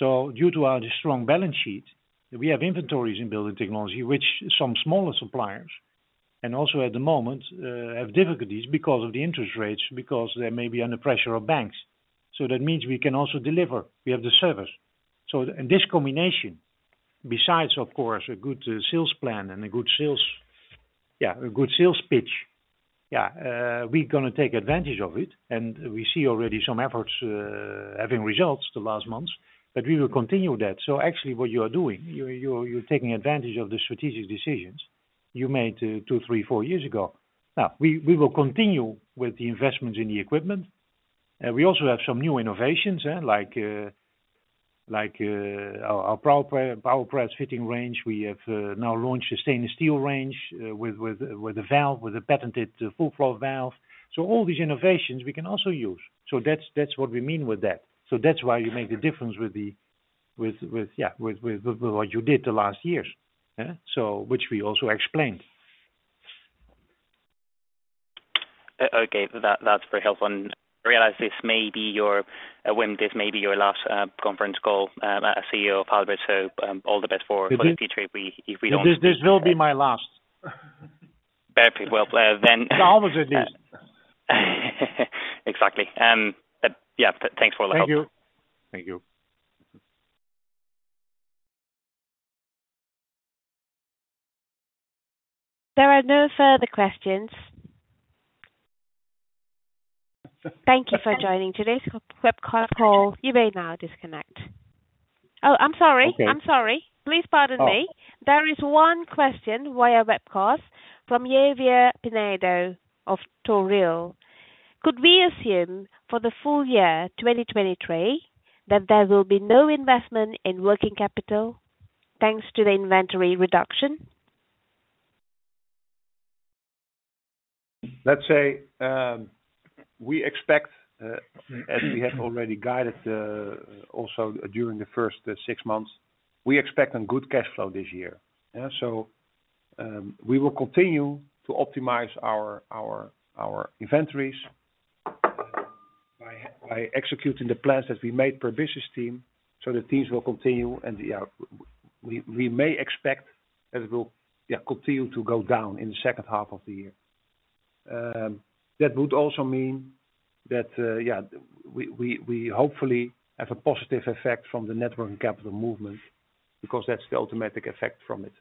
Due to our strong balance sheet, we have inventories in building technology, which some smaller suppliers, and also at the moment have difficulties because of the interest rates, because they may be under pressure of banks. That means we can also deliver. We have the service. This combination, besides of course, a good sales plan and a good sales pitch. We're gonna take advantage of it, and we see already some efforts having results the last months, but we will continue that. Actually, what you are doing, you're taking advantage of the strategic decisions you made two, three, four years ago. Now, we will continue with the investments in the equipment, and we also have some new innovations, like our PowerPress fitting range. We have now launched a stainless steel range with a valve, with a patented full flow valve. All these innovations we can also use. That's what we mean with that. That's why you make the difference with the, with, yeah, with what you did the last years, eh? Which we also explained. Okay, that's very helpful. I realize this may be your Wim, this may be your last conference call as CEO of Aalberts, all the best. It is. The future. We, This will be my last. Perfect. Well. Aalberts at least. Exactly. But yeah, thanks for all the help. Thank you. Thank you. There are no further questions. Thank you for joining today's webcast call. You may now disconnect. Oh, I'm sorry. Okay. I'm sorry. Please pardon me. Oh. There is one question via webcast from Javier Pinedo of Torreal. Could we assume for the full year, 2023, that there will be no investment in working capital, thanks to the inventory reduction? Let's say, we expect, as we have already guided, also during the first six months, we expect a good cash flow this year. We will continue to optimize our inventories by executing the plans that we made per business team, so the teams will continue, and we may expect that it will continue to go down in the second half of the year. That would also mean that we hopefully have a positive effect from the net working capital movement, because that's the automatic effect from it.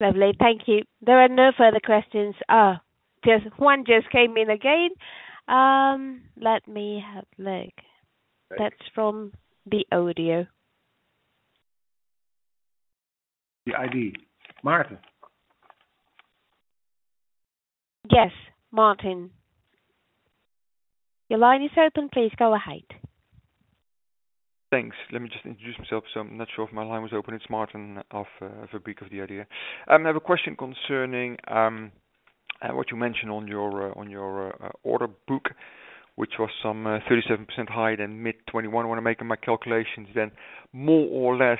Lovely. Thank you. There are no further questions. Just one just came in again. Let me have a look. That's from the audio. The ID. Maarten? Yes, Maarten. Your line is open. Please go ahead. Thanks. Let me just introduce myself, so I'm not sure if my line was open. It's Maarten Verbeek of the IDEA! I have a question concerning what you mentioned on your order book, which was some 37% higher than mid-2021. When I'm making my calculations, then, more or less,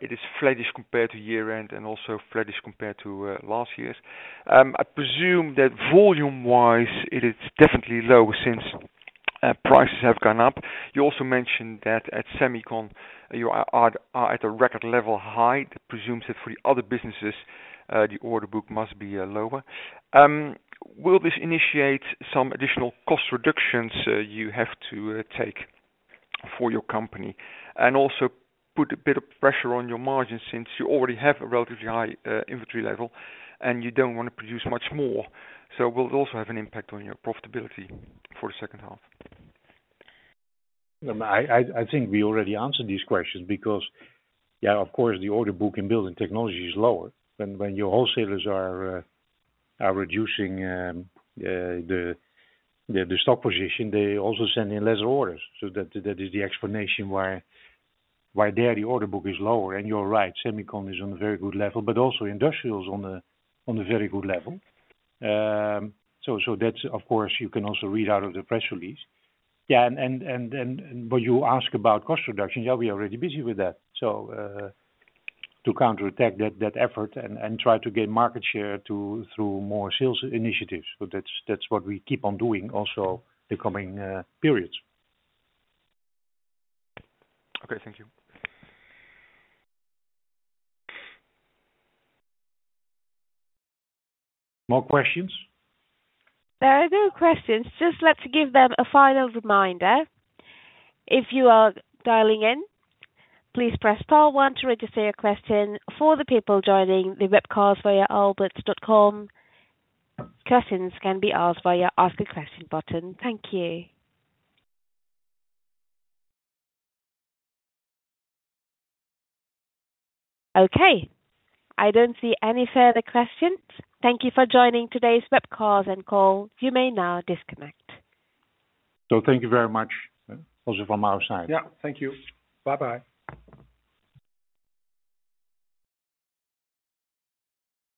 it is flattish compared to year-end and also flattish compared to last year's. I presume that volume-wise, it is definitely lower since prices have gone up. You also mentioned that at semicon, you are at a record level high. That presumes that for the other businesses, the order book must be lower. Will this initiate some additional cost reductions, you have to, take for your company, and also put a bit of pressure on your margins, since you already have a relatively high, inventory level, and you don't want to produce much more? Will it also have an impact on your profitability for the second half? I think we already answered these questions because, yeah, of course, the order book in building technology is lower. When your wholesalers are reducing the stock position, they also send in less orders. That is the explanation why there, the order book is lower. You're right, semicon is on a very good level, but also Industrials on a very good level. That's of course, you can also read out of the press release. You ask about cost reduction. We are already busy with that. To counterattack that effort and try to gain market share to through more sales initiatives. That's what we keep on doing also the coming periods. Okay, thank you. More questions? There are no questions. Just let's give them a final reminder. If you are dialing in, please press star one to register your question. For the people joining the webcast via Aalberts.com, questions can be asked via Ask a Question button. Thank you. Okay, I don't see any further questions. Thank you for joining today's webcast and call. You may now disconnect. Thank you very much, also from our side. Yeah. Thank you. Bye-bye.